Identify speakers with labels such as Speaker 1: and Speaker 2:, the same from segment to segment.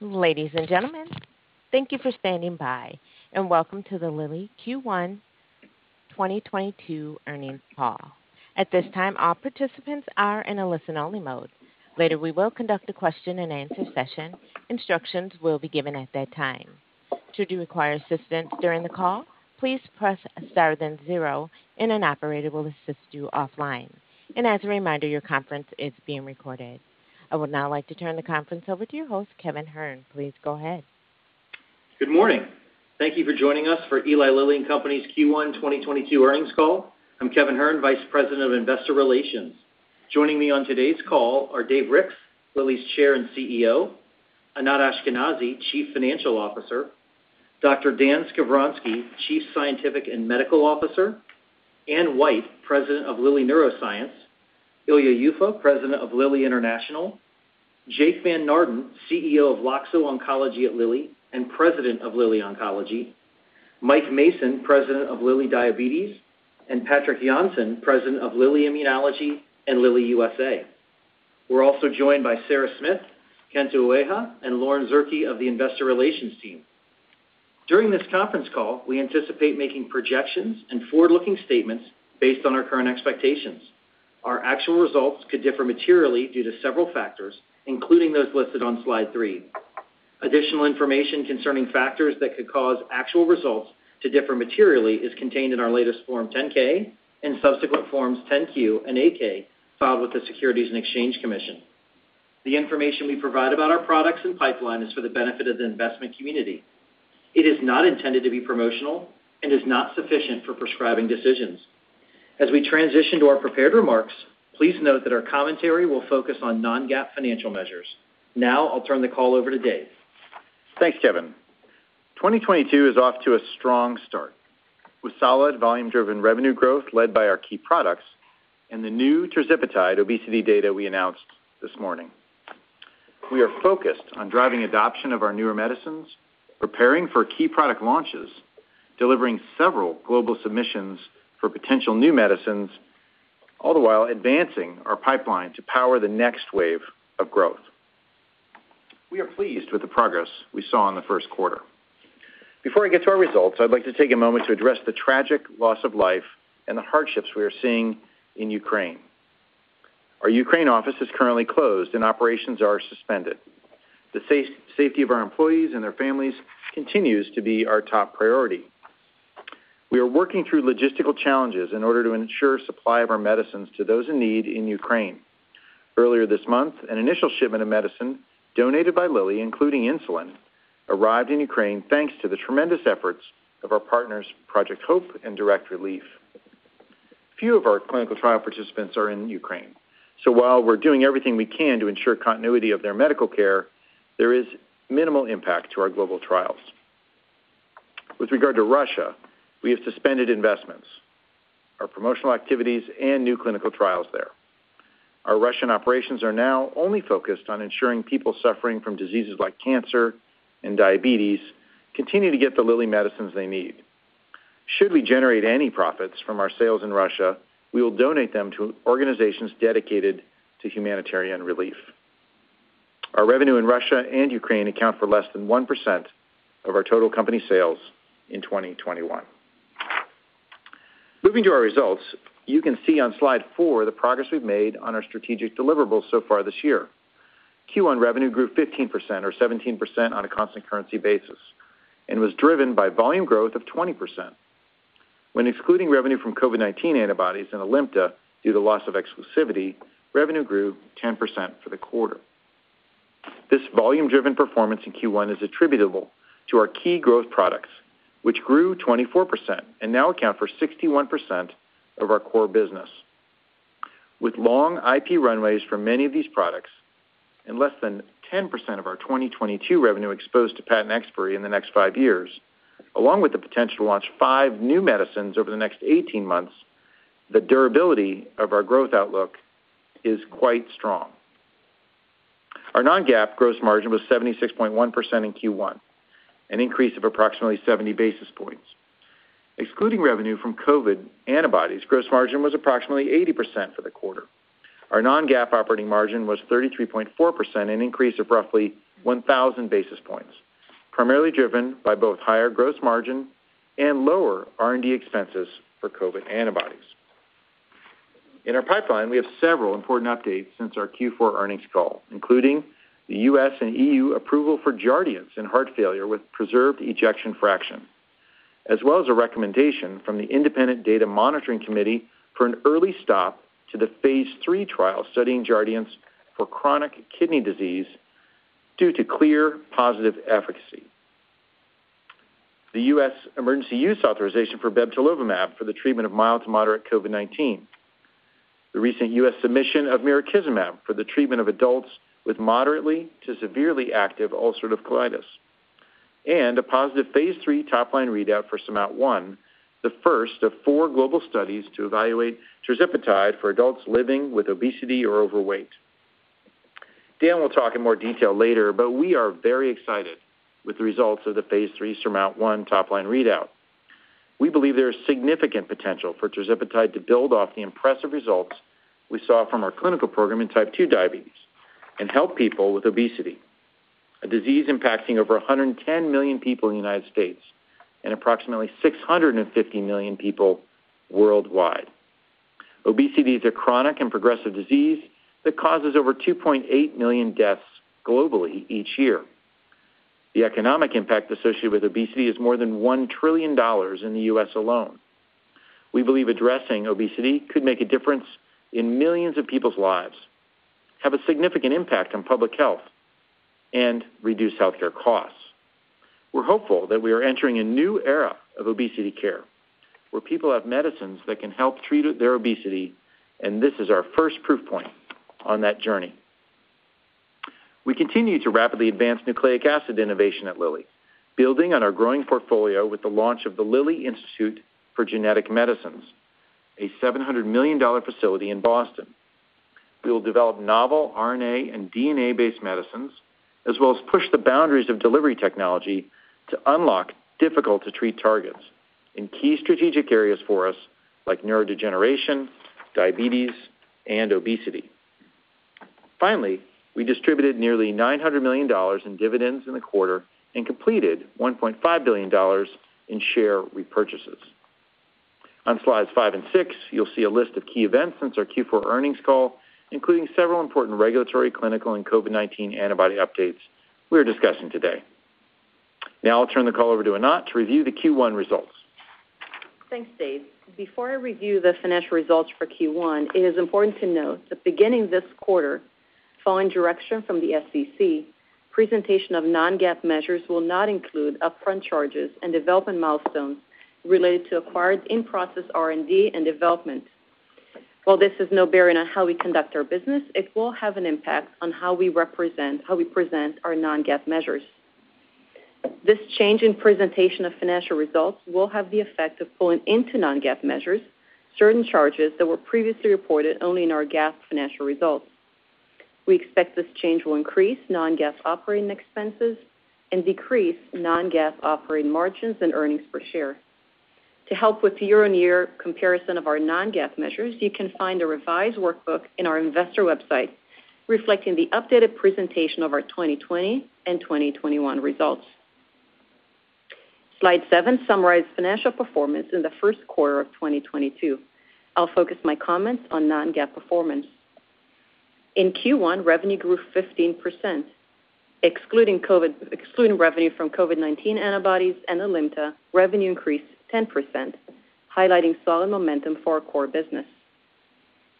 Speaker 1: Ladies and gentlemen, thank you for standing by, and welcome to the Lilly Q1 2022 earnings call. At this time, all participants are in a listen only mode. Later, we will conduct a question and answer session. Instructions will be given at that time. Should you require assistance during the call, please press star then zero, and an operator will assist you offline. As a reminder, your conference is being recorded. I would now like to turn the conference over to your host, Kevin Hern. Please go ahead.
Speaker 2: Good morning. Thank you for joining us for Eli Lilly and Company's Q1 2022 earnings call. I'm Kevin Hern, Vice President of Investor Relations. Joining me on today's call are Dave Ricks, Lilly's Chair and CEO, Anat Ashkenazi, Chief Financial Officer, Dr. Dan Skovronsky, Chief Scientific and Medical Officer, Anne White, President of Lilly Neuroscience, Ilya Yuffa, President of Lilly International, Jake Van Naarden, CEO of Loxo Oncology at Lilly and President of Lilly Oncology, Mike Mason, President of Lilly Diabetes, and Patrik Jonsson, President of Lilly Immunology and Lilly USA. We're also joined by Sara Smith, Kento Ueha, and Lauren Zierke of the investor relations team. During this conference call, we anticipate making projections and forward-looking statements based on our current expectations. Our actual results could differ materially due to several factors, including those listed on Slide 3. Additional information concerning factors that could cause actual results to differ materially is contained in our latest Form 10-K and subsequent Forms 10-Q and 8-K filed with the Securities and Exchange Commission. The information we provide about our products and pipeline is for the benefit of the investment community. It is not intended to be promotional and is not sufficient for prescribing decisions. As we transition to our prepared remarks, please note that our commentary will focus on non-GAAP financial measures. Now I'll turn the call over to Dave.
Speaker 3: Thanks, Kevin. 2022 is off to a strong start with solid volume driven revenue growth led by our key products and the new tirzepatide obesity data we announced this morning. We are focused on driving adoption of our newer medicines, preparing for key product launches, delivering several global submissions for potential new medicines, all the while advancing our pipeline to power the next wave of growth. We are pleased with the progress we saw in the first quarter. Before I get to our results, I'd like to take a moment to address the tragic loss of life and the hardships we are seeing in Ukraine. Our Ukraine office is currently closed and operations are suspended. The safety of our employees and their families continues to be our top priority. We are working through logistical challenges in order to ensure supply of our medicines to those in need in Ukraine Earlier this month, an initial shipment of medicine donated by Lilly, including insulin, arrived in Ukraine thanks to the tremendous efforts of our partners, Project HOPE and Direct Relief. Few of our clinical trial participants are in Ukraine, so while we're doing everything we can to ensure continuity of their medical care, there is minimal impact to our global trials. With regard to Russia, we have suspended investments, our promotional activities, and new clinical trials there. Our Russian operations are now only focused on ensuring people suffering from diseases like cancer and diabetes continue to get the Lilly medicines they need. Should we generate any profits from our sales in Russia, we will donate them to organizations dedicated to humanitarian relief. Our revenue in Russia and Ukraine account for less than 1% of our total company sales in 2021. Moving to our results, you can see on slide 4 the progress we've made on our strategic deliverables so far this year. Q1 revenue grew 15% or 17% on a constant currency basis and was driven by volume growth of 20%. When excluding revenue from COVID-19 antibodies and ALIMTA due to loss of exclusivity, revenue grew 10% for the quarter. This volume driven performance in Q1 is attributable to our key growth products, which grew 24% and now account for 61% of our core business. With long IP runways for many of these products and less than 10% of our 2022 revenue exposed to patent expiry in the next five years, along with the potential to launch five new medicines over the next 18 months, the durability of our growth outlook is quite strong. Our non-GAAP gross margin was 76.1% in Q1, an increase of approximately 70 basis points. Excluding revenue from COVID antibodies, gross margin was approximately 80% for the quarter. Our non-GAAP operating margin was 33.4%, an increase of roughly 1,000 basis points, primarily driven by both higher gross margin and lower R&D expenses for COVID antibodies. In our pipeline, we have several important updates since our Q4 earnings call, including the U.S. and EU approval for Jardiance in heart failure with preserved ejection fraction, as well as a recommendation from the Independent Data Monitoring Committee for an early stop to the phase III trial studying Jardiance for chronic kidney disease due to clear positive efficacy. The U.S. Emergency Use Authorization for bebtelovimab for the treatment of mild to moderate COVID-19. The recent U.S. submission of mirikizumab for the treatment of adults with moderately to severely active ulcerative colitis, and a positive phase III top line readout for SURMOUNT-1, the first of four global studies to evaluate tirzepatide for adults living with obesity or overweight. Dan will talk in more detail later, but we are very excited with the results of the phase III SURMOUNT-1 top line readout. We believe there is significant potential for tirzepatide to build off the impressive results we saw from our clinical program in type 2 diabetes and help people with obesity, a disease impacting over 110 million people in the United States and approximately 650 million people worldwide. Obesity is a chronic and progressive disease that causes over 2.8 million deaths globally each year. The economic impact associated with obesity is more than $1 trillion in the U.S. alone. We believe addressing obesity could make a difference in millions of people's lives, have a significant impact on public health, and reduce healthcare costs. We're hopeful that we are entering a new era of obesity care where people have medicines that can help treat their obesity, and this is our first proof point on that journey. We continue to rapidly advance nucleic acid innovation at Lilly, building on our growing portfolio with the launch of the Lilly Institute for Genetic Medicine, a $700 million facility in Boston. We will develop novel RNA and DNA-based medicines as well as push the boundaries of delivery technology to unlock difficult to treat targets in key strategic areas for us like neurodegeneration, diabetes, and obesity. Finally, we distributed nearly $900 million in dividends in the quarter and completed $1.5 billion in share repurchases. On slides 5 and 6, you'll see a list of key events since our Q4 earnings call, including several important regulatory, clinical, and COVID-19 antibody updates we are discussing today. Now I'll turn the call over to Anat to review the Q1 results.
Speaker 4: Thanks, Dave. Before I review the financial results for Q1, it is important to note that beginning this quarter, following direction from the SEC, presentation of non-GAAP measures will not include upfront charges and development milestones related to acquired in-process R&D and development. While this has no bearing on how we conduct our business, it will have an impact on how we present our non-GAAP measures. This change in presentation of financial results will have the effect of pulling into non-GAAP measures certain charges that were previously reported only in our GAAP financial results. We expect this change will increase non-GAAP operating expenses and decrease non-GAAP operating margins and earnings per share. To help with year-on-year comparison of our non-GAAP measures, you can find a revised workbook in our investor website reflecting the updated presentation of our 2020 and 2021 results. Slide seven summarizes financial performance in the first quarter of 2022. I'll focus my comments on non-GAAP performance. In Q1, revenue grew 15%. Excluding revenue from COVID-19 antibodies and ALIMTA, revenue increased 10%, highlighting solid momentum for our core business.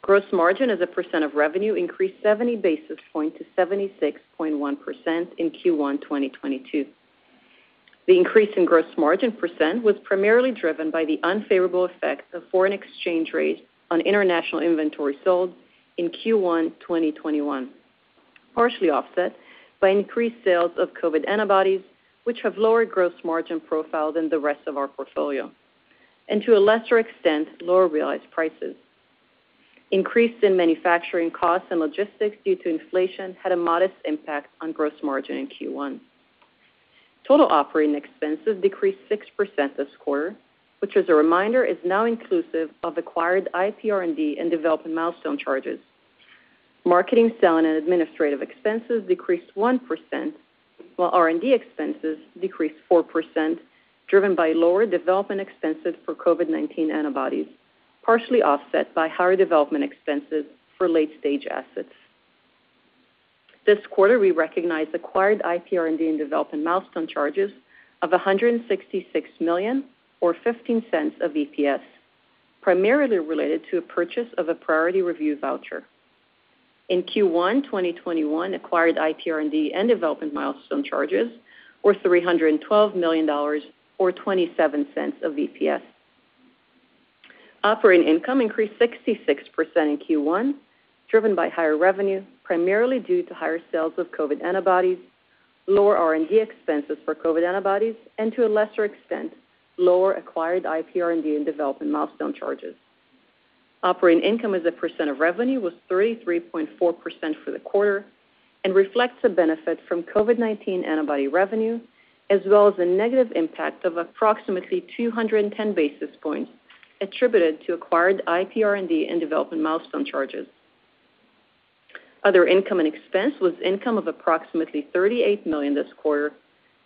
Speaker 4: Gross margin as a percent of revenue increased 70 basis points to 76.1% in Q1 2022. The increase in gross margin percent was primarily driven by the unfavorable effects of foreign exchange rates on international inventory sold in Q1 2021, partially offset by increased sales of COVID antibodies, which have lower gross margin profile than the rest of our portfolio, and to a lesser extent, lower realized prices. Increases in manufacturing costs and logistics due to inflation had a modest impact on gross margin in Q1. Total operating expenses decreased 6% this quarter, which as a reminder, is now inclusive of acquired IPR&D and development milestone charges. Marketing, selling, and administrative expenses decreased 1%, while R&D expenses decreased 4%, driven by lower development expenses for COVID-19 antibodies, partially offset by higher development expenses for late-stage assets. This quarter, we recognized acquired IPR&D and development milestone charges of $166 million or $0.15 of EPS, primarily related to a purchase of a priority review voucher. In Q1 2021, acquired IPR&D and development milestone charges were $312 million or $0.27 of EPS. Operating income increased 66% in Q1, driven by higher revenue, primarily due to higher sales of COVID antibodies, lower R&D expenses for COVID antibodies, and to a lesser extent, lower acquired IPR&D and development milestone charges. Operating income as a percent of revenue was 33.4% for the quarter and reflects a benefit from COVID-19 antibody revenue as well as a negative impact of approximately 210 basis points attributed to acquired IPR&D and development milestone charges. Other income and expense was income of approximately $38 million this quarter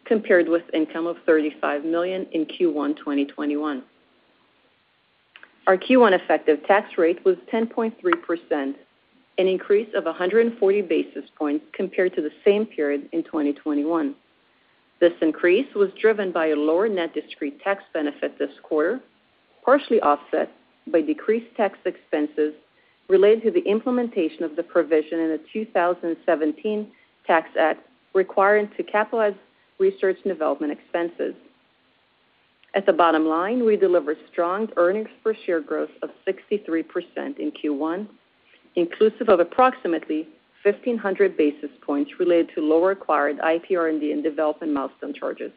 Speaker 4: compared with income of $35 million in Q1 2021. Our Q1 effective tax rate was 10.3%, an increase of 140 basis points compared to the same period in 2021. This increase was driven by a lower net discrete tax benefit this quarter, partially offset by decreased tax expenses related to the implementation of the provision in the 2017 Tax Act requiring to capitalize research and development expenses. At the bottom line, we delivered strong earnings per share growth of 63% in Q1, inclusive of approximately 1,500 basis points related to lower acquired IPR&D and development milestone charges.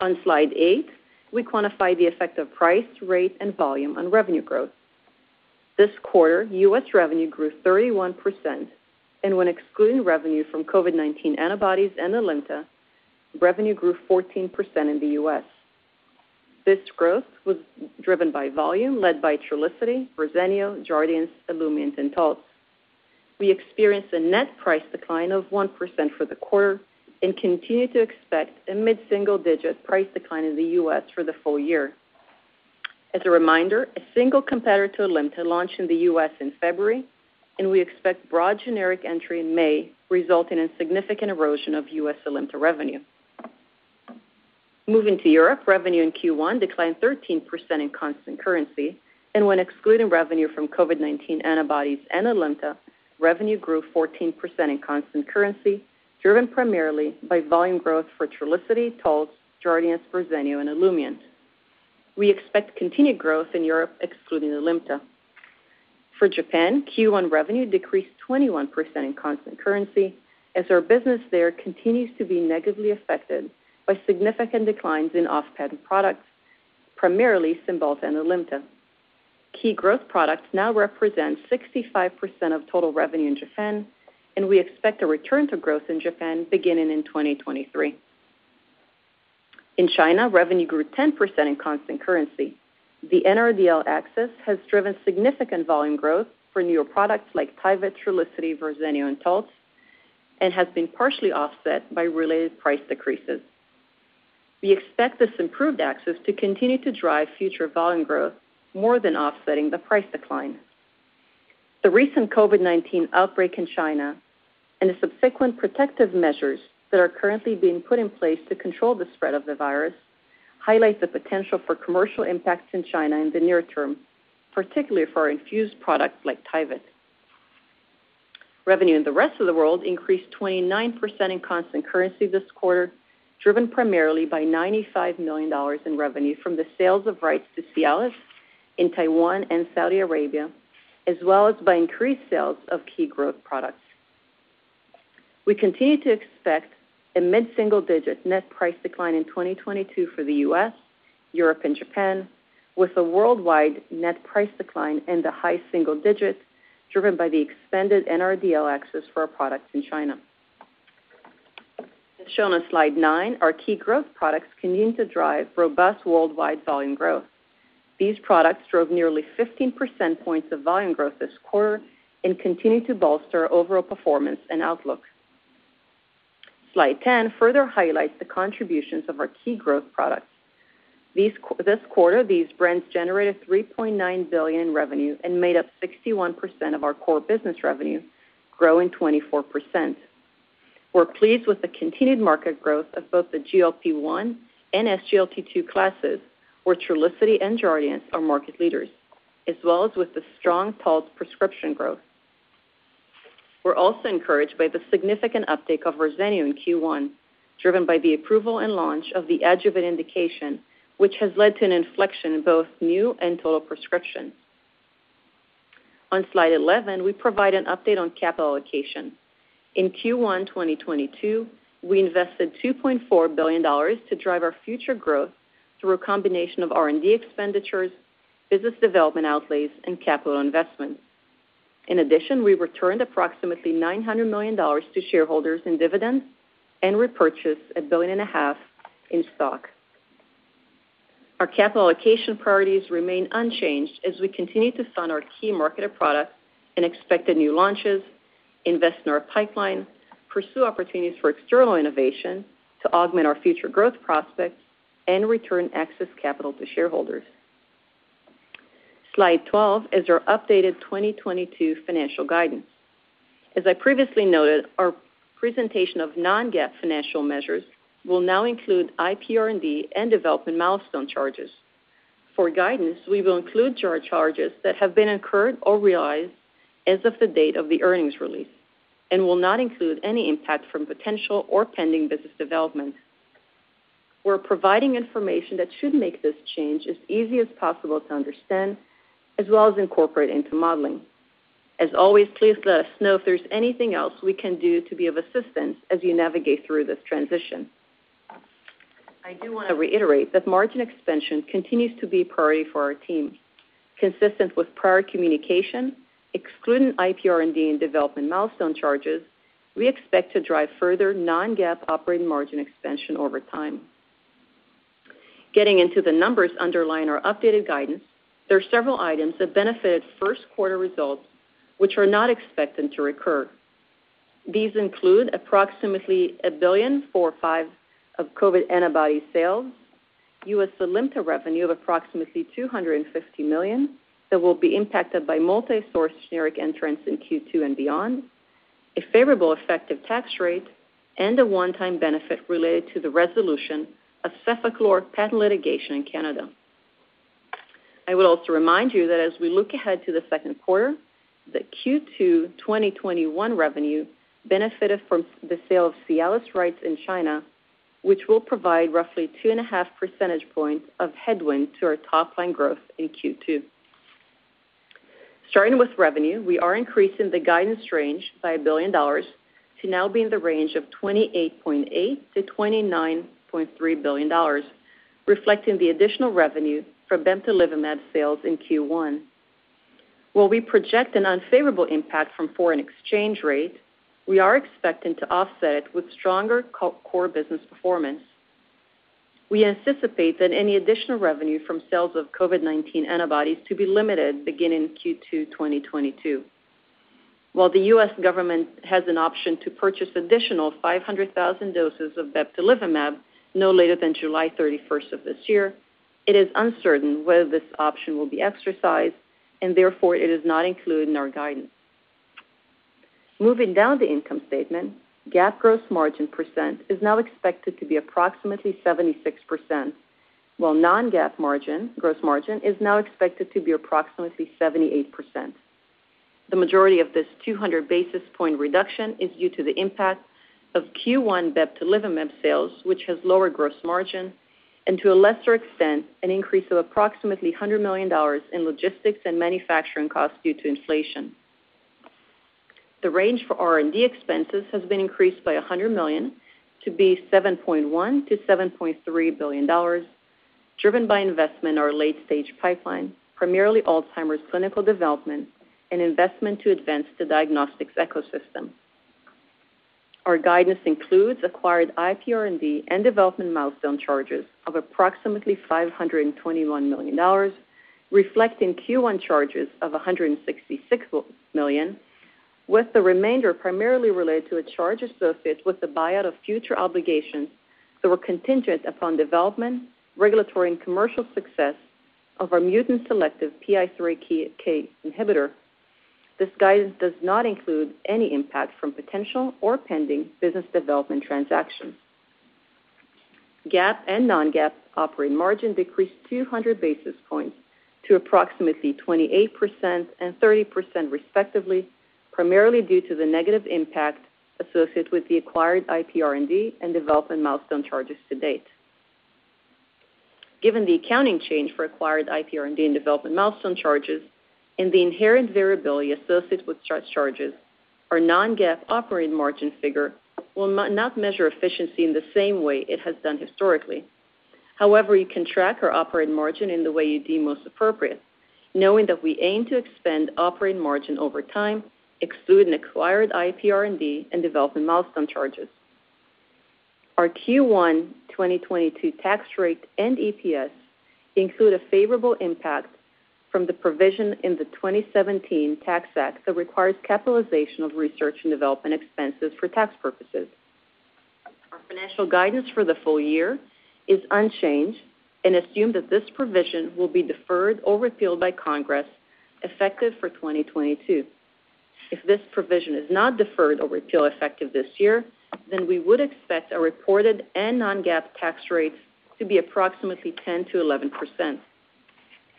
Speaker 4: On slide 8, we quantify the effect of price, rate, and volume on revenue growth. This quarter, US revenue grew 31%, and when excluding revenue from COVID-19 antibodies and Alimta, revenue grew 14% in the US. This growth was driven by volume led by Trulicity, Verzenio, Jardiance, Olumiant, and Taltz. We experienced a net price decline of 1% for the quarter and continue to expect a mid-single-digit price decline in the US for the full-year. As a reminder, a single competitor to Alimta launched in the US in February, and we expect broad generic entry in May, resulting in significant erosion of US Alimta revenue. Moving to Europe, revenue in Q1 declined 13% in constant currency, and when excluding revenue from COVID-19 antibodies and Alimta, revenue grew 14% in constant currency, driven primarily by volume growth for Trulicity, Taltz, Jardiance, Verzenio, and Olumiant. We expect continued growth in Europe, excluding Alimta. For Japan, Q1 revenue decreased 21% in constant currency as our business there continues to be negatively affected by significant declines in off-patent products, primarily Cymbalta and Alimta. Key growth products now represent 65% of total revenue in Japan, and we expect a return to growth in Japan beginning in 2023. In China, revenue grew 10% in constant currency. The NRDL access has driven significant volume growth for newer products like TYVYT, Trulicity, Verzenio, and Taltz, and has been partially offset by related price decreases. We expect this improved access to continue to drive future volume growth more than offsetting the price decline. The recent COVID-19 outbreak in China and the subsequent protective measures that are currently being put in place to control the spread of the virus highlight the potential for commercial impacts in China in the near term, particularly for infused products like TYVYT. Revenue in the rest of the world increased 29% in constant currency this quarter, driven primarily by $95 million in revenue from the sales of rights to Cialis in Taiwan and Saudi Arabia, as well as by increased sales of key growth products. We continue to expect a mid-single-digit net price decline in 2022 for the US, Europe, and Japan, with a worldwide net price decline in the high single digits driven by the expanded NRDL access for our products in China. As shown on slide 9, our key growth products continue to drive robust worldwide volume growth. These products drove nearly 15 percentage points of volume growth this quarter and continue to bolster our overall performance and outlook. Slide 10 further highlights the contributions of our key growth products. This quarter, these brands generated $3.9 billion in revenue and made up 61% of our core business revenue, growing 24%. We're pleased with the continued market growth of both the GLP-1 and SGLT2 classes, where Trulicity and Jardiance are market leaders, as well as with the strong Taltz prescription growth. We're also encouraged by the significant uptake of Verzenio in Q1, driven by the approval and launch of the adjuvant indication, which has led to an inflection in both new and total prescriptions. On slide 11, we provide an update on capital allocation. In Q1 2022, we invested $2.4 billion to drive our future growth through a combination of R&D expenditures, business development outlays, and capital investments. In addition, we returned approximately $900 million to shareholders in dividends and repurchased $1.5 billion in stock. Our capital allocation priorities remain unchanged as we continue to fund our key marketed products and expected new launches, invest in our pipeline, pursue opportunities for external innovation to augment our future growth prospects, and return excess capital to shareholders. Slide 12 is our updated 2022 financial guidance. As I previously noted, our presentation of non-GAAP financial measures will now include IPR&D and development milestone charges. For guidance, we will include charges that have been incurred or realized as of the date of the earnings release and will not include any impact from potential or pending business developments. We're providing information that should make this change as easy as possible to understand, as well as incorporate into modeling. As always, please let us know if there's anything else we can do to be of assistance as you navigate through this transition. I do want to reiterate that margin expansion continues to be a priority for our team. Consistent with prior communication, excluding IPR&D and development milestone charges, we expect to drive further non-GAAP operating margin expansion over time. Getting into the numbers underlying our updated guidance, there are several items that benefited first quarter results which are not expected to recur. These include approximately $1 billion from sales of COVID antibody, U.S. Alimta revenue of approximately $250 million that will be impacted by multi-source generic entrants in Q2 and beyond, a favorable effective tax rate, and a one-time benefit related to the resolution of cefaclor patent litigation in Canada. I will also remind you that as we look ahead to the second quarter, the Q2 2021 revenue benefited from the sale of Cialis rights in China, which will provide roughly 2.5 percentage points of headwind to our top line growth in Q2. Starting with revenue, we are increasing the guidance range by $1 billion to now be in the range of $28.8 billion-$29.3 billion, reflecting the additional revenue from bebtelovimab sales in Q1. While we project an unfavorable impact from foreign exchange rate, we are expecting to offset it with stronger core business performance. We anticipate that any additional revenue from sales of COVID-19 antibodies will be limited beginning Q2 2022. While the U.S. government has an option to purchase additional 500,000 doses of bebtelovimab no later than July 31 of this year, it is uncertain whether this option will be exercised and therefore it is not included in our guidance. Moving down the income statement, GAAP gross margin % is now expected to be approximately 76%, while non-GAAP gross margin is now expected to be approximately 78%. The majority of this 200 basis point reduction is due to the impact of Q1 bebtelovimab sales, which has lower gross margin and to a lesser extent, an increase of approximately $100 million in logistics and manufacturing costs due to inflation. The range for R&D expenses has been increased by $100 million to $7.1 billion-$7.3 billion, driven by investment in our late-stage pipeline, primarily Alzheimer's clinical development and investment to advance the diagnostics ecosystem. Our guidance includes acquired IPR&D and development milestone charges of approximately $521 million, reflecting Q1 charges of $166 million, with the remainder primarily related to a charge associated with the buyout of future obligations that were contingent upon development, regulatory and commercial success of our mutant selective PI3K inhibitor. This guidance does not include any impact from potential or pending business development transactions. GAAP and non-GAAP operating margin decreased 200 basis points to approximately 28% and 30% respectively, primarily due to the negative impact associated with the acquired IP R&D and development milestone charges to date. Given the accounting change for acquired IP R&D and development milestone charges and the inherent variability associated with charges, our non-GAAP operating margin figure will not measure efficiency in the same way it has done historically. However, you can track our operating margin in the way you deem most appropriate, knowing that we aim to expand operating margin over time, excluding acquired IP R&D and development milestone charges. Our Q1 2022 tax rate and EPS include a favorable impact from the provision in the 2017 tax act that requires capitalization of research and development expenses for tax purposes. Our financial guidance for the full-year is unchanged and assume that this provision will be deferred or repealed by Congress effective for 2022. If this provision is not deferred or repealed effective this year, then we would expect our reported and non-GAAP tax rates to be approximately 10%-11%.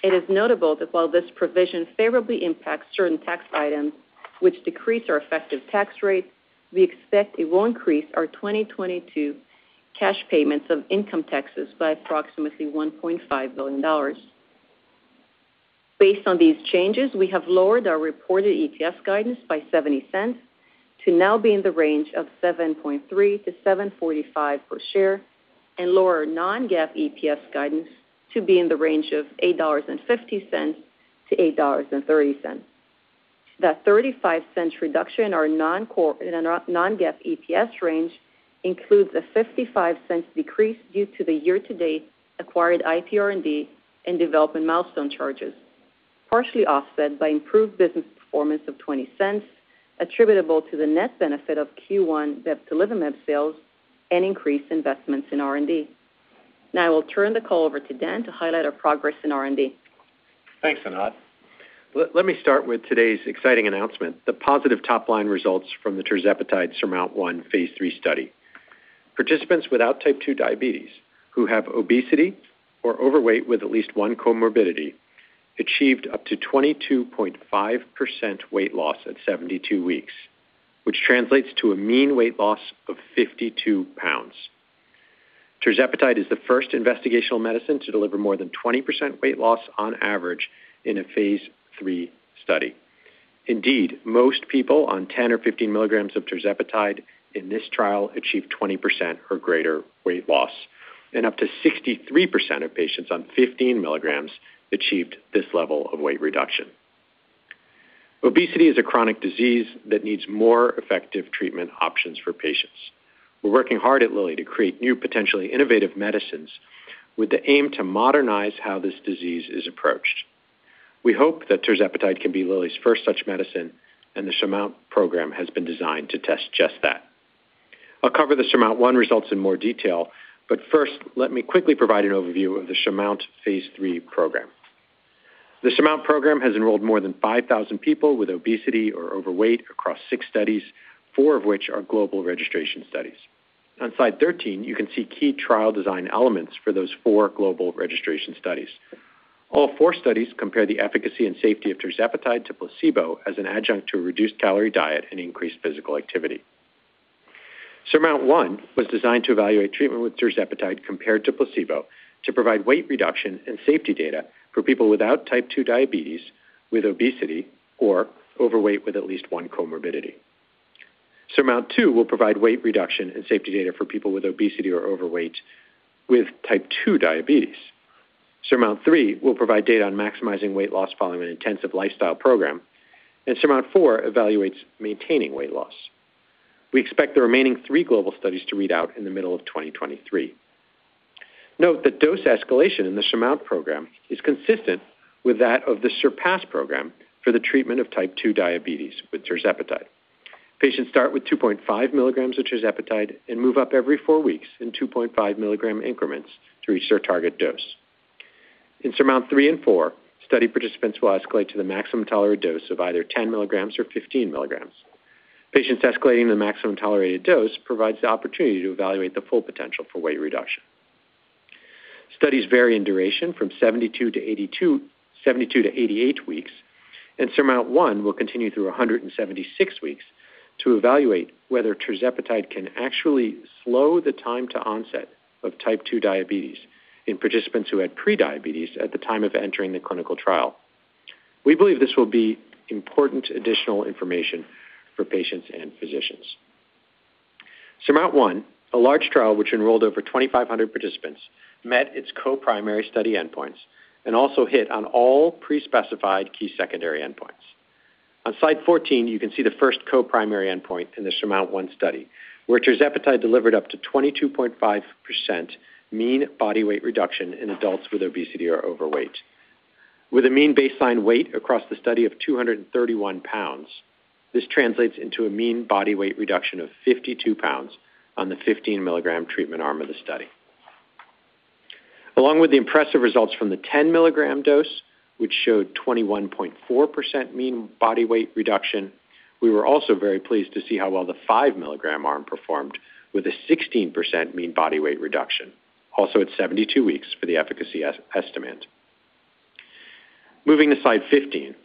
Speaker 4: It is notable that while this provision favorably impacts certain tax items which decrease our effective tax rate, we expect it will increase our 2022 cash payments of income taxes by approximately $1.5 billion. Based on these changes, we have lowered our reported EPS guidance by $0.70 to now be in the range of $7.3-$7.45 per share and lower non-GAAP EPS guidance to be in the range of $8.50-$8.30. That $0.35 reduction in our non-GAAP EPS range includes a $0.55 decrease due to the year-to-date acquired IPR&D and development milestone charges, partially offset by improved business performance of $0.20 attributable to the net benefit of Q1 bebtelovimab sales and increased investments in R&D. Now I will turn the call over to Dan to highlight our progress in R&D.
Speaker 5: Thanks, Anat. Let me start with today's exciting announcement, the positive top-line results from the tirzepatide SURMOUNT-1 phase III study. Participants without type 2 diabetes who have obesity or overweight with at least one comorbidity achieved up to 22.5% weight loss at 72 weeks, which translates to a mean weight loss of 52 pounds. Tirzepatide is the first investigational medicine to deliver more than 20% weight loss on average in a phase III study. Indeed, most people on 10 or 15 milligrams of tirzepatide in this trial achieved 20% or greater weight loss, and up to 63% of patients on 15 milligrams achieved this level of weight reduction. Obesity is a chronic disease that needs more effective treatment options for patients. We're working hard at Lilly to create new, potentially innovative medicines with the aim to modernize how this disease is approached. We hope that tirzepatide can be Lilly's first such medicine, and the SURMOUNT program has been designed to test just that. I'll cover the SURMOUNT-1 results in more detail, but first, let me quickly provide an overview of the SURMOUNT phase III program. The SURMOUNT program has enrolled more than 5,000 people with obesity or overweight across six studies, four of which are global registration studies. On slide 13, you can see key trial design elements for those four global registration studies. All four studies compare the efficacy and safety of tirzepatide to placebo as an adjunct to a reduced calorie diet and increased physical activity. SURMOUNT-1 was designed to evaluate treatment with tirzepatide compared to placebo to provide weight reduction and safety data for people without type 2 diabetes with obesity or overweight with at least one comorbidity. SURMOUNT-2 will provide weight reduction and safety data for people with obesity or overweight with type 2 diabetes. SURMOUNT-3 will provide data on maximizing weight loss following an intensive lifestyle program, and SURMOUNT-4 evaluates maintaining weight loss. We expect the remaining three global studies to read out in the middle of 2023. Note that dose escalation in the SURMOUNT program is consistent with that of the SURPASS program for the treatment of type 2 diabetes with tirzepatide. Patients start with 2.5 milligrams of tirzepatide and move up every four weeks in 2.5 milligram increments to reach their target dose. In SURMOUNT-3 and 4, study participants will escalate to the maximum tolerated dose of either 10 milligrams or 15 milligrams. Patients escalating the maximum tolerated dose provides the opportunity to evaluate the full potential for weight reduction. Studies vary in duration from 72 weeks-88 weeks, and Surmount one will continue through 176 weeks to evaluate whether tirzepatide can actually slow the time to onset of type 2 diabetes in participants who had pre-diabetes at the time of entering the clinical trial. We believe this will be important additional information for patients and physicians. Surmount one, a large trial which enrolled over 2,500 participants, met its co-primary study endpoints and also hit on all pre-specified key secondary endpoints. On slide 14, you can see the first co-primary endpoint in the Surmount one study, where tirzepatide delivered up to 22.5% mean body weight reduction in adults with obesity or overweight. With a mean baseline weight across the study of 231 lbs, this translates into a mean body weight reduction of 52 lbs on the 15 mg treatment arm of the study. Along with the impressive results from the 10 mg dose, which showed 21.4% mean body weight reduction, we were also very pleased to see how well the 5 mg arm performed with a 16% mean body weight reduction, also at 72 weeks for the efficacy estimate. Moving to slide 15,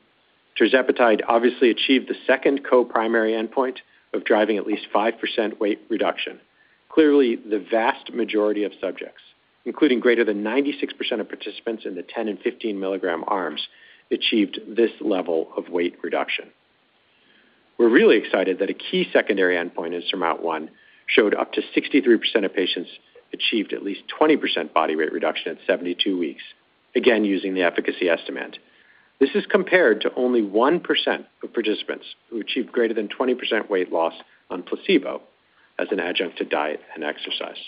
Speaker 5: tirzepatide obviously achieved the second co-primary endpoint of driving at least 5% weight reduction. Clearly, the vast majority of subjects, including greater than 96% of participants in the 10 and 15 mg arms, achieved this level of weight reduction. We're really excited that a key secondary endpoint in SURMOUNT-1 showed up to 63% of patients achieved at least 20% body weight reduction at 72 weeks, again using the efficacy estimate. This is compared to only 1% of participants who achieved greater than 20% weight loss on placebo as an adjunct to diet and exercise.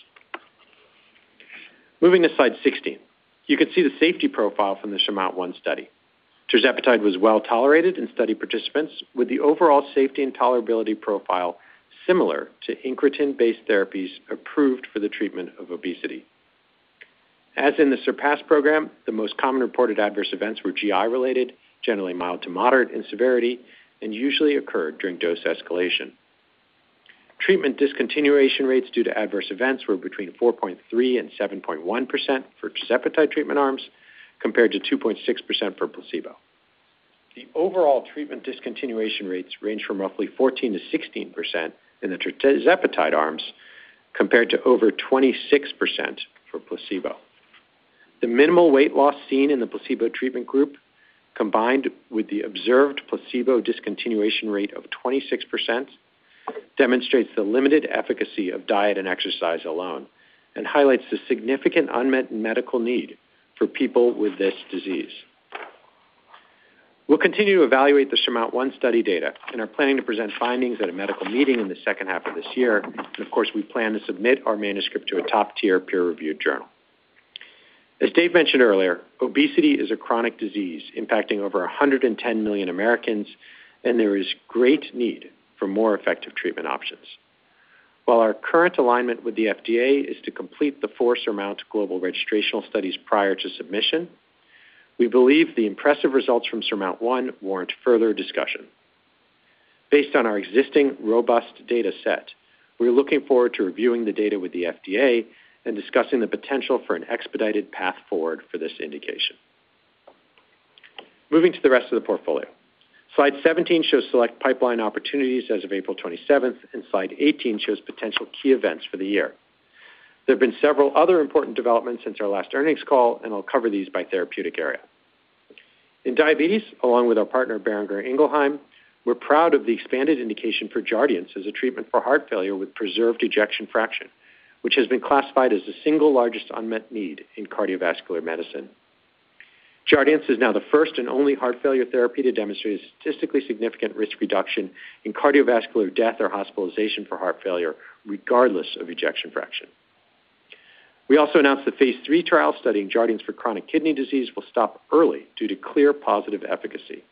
Speaker 5: Moving to slide 16, you can see the safety profile from the SURMOUNT-1 study. Tirzepatide was well tolerated in study participants, with the overall safety and tolerability profile similar to incretin-based therapies approved for the treatment of obesity. As in the SURPASS program, the most common reported adverse events were GI related, generally mild to moderate in severity, and usually occurred during dose escalation. Treatment discontinuation rates due to adverse events were between 4.3% and 7.1% for tirzepatide treatment arms, compared to 2.6% for placebo. The overall treatment discontinuation rates range from roughly 14%-16% in the tirzepatide arms, compared to over 26% for placebo. The minimal weight loss seen in the placebo treatment group, combined with the observed placebo discontinuation rate of 26%, demonstrates the limited efficacy of diet and exercise alone and highlights the significant unmet medical need for people with this disease. We'll continue to evaluate the SURMOUNT-1 study data and are planning to present findings at a medical meeting in the second half of this year. Of course, we plan to submit our manuscript to a top-tier peer-reviewed journal. As Dave mentioned earlier, obesity is a chronic disease impacting over 110 million Americans, and there is great need for more effective treatment options. While our current alignment with the FDA is to complete the 4 SURMOUNT global registrational studies prior to submission, we believe the impressive results from SURMOUNT-1 warrant further discussion. Based on our existing robust data set, we are looking forward to reviewing the data with the FDA and discussing the potential for an expedited path forward for this indication. Moving to the rest of the portfolio. Slide 17 shows select pipeline opportunities as of April 27, and slide 18 shows potential key events for the year. There have been several other important developments since our last earnings call, and I'll cover these by therapeutic area. In diabetes, along with our partner Boehringer Ingelheim, we're proud of the expanded indication for Jardiance as a treatment for heart failure with preserved ejection fraction, which has been classified as the single largest unmet need in cardiovascular medicine. Jardiance is now the first and only heart failure therapy to demonstrate a statistically significant risk reduction in cardiovascular death or hospitalization for heart failure, regardless of ejection fraction. We also announced the phase III trial studying Jardiance for chronic kidney disease will stop early due to clear positive efficacy.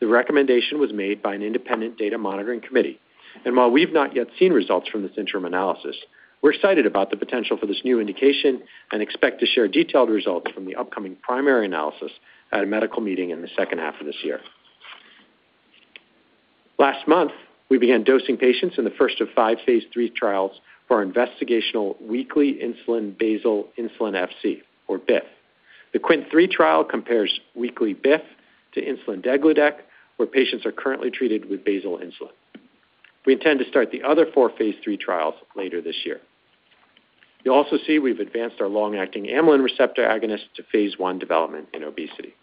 Speaker 5: The recommendation was made by an independent data monitoring committee. While we've not yet seen results from this interim analysis, we're excited about the potential for this new indication and expect to share detailed results from the upcoming primary analysis at a medical meeting in the second half of this year. Last month, we began dosing patients in the first of five phase III trials for our investigational weekly insulin, basal insulin Fc, or BIF. The QWINT-3 trial compares weekly BIF to insulin degludec, where patients are currently treated with basal insulin. We intend to start the other four phase III trials later this year. You'll also see we've advanced our long-acting amylin receptor agonist to phase I development in obesity.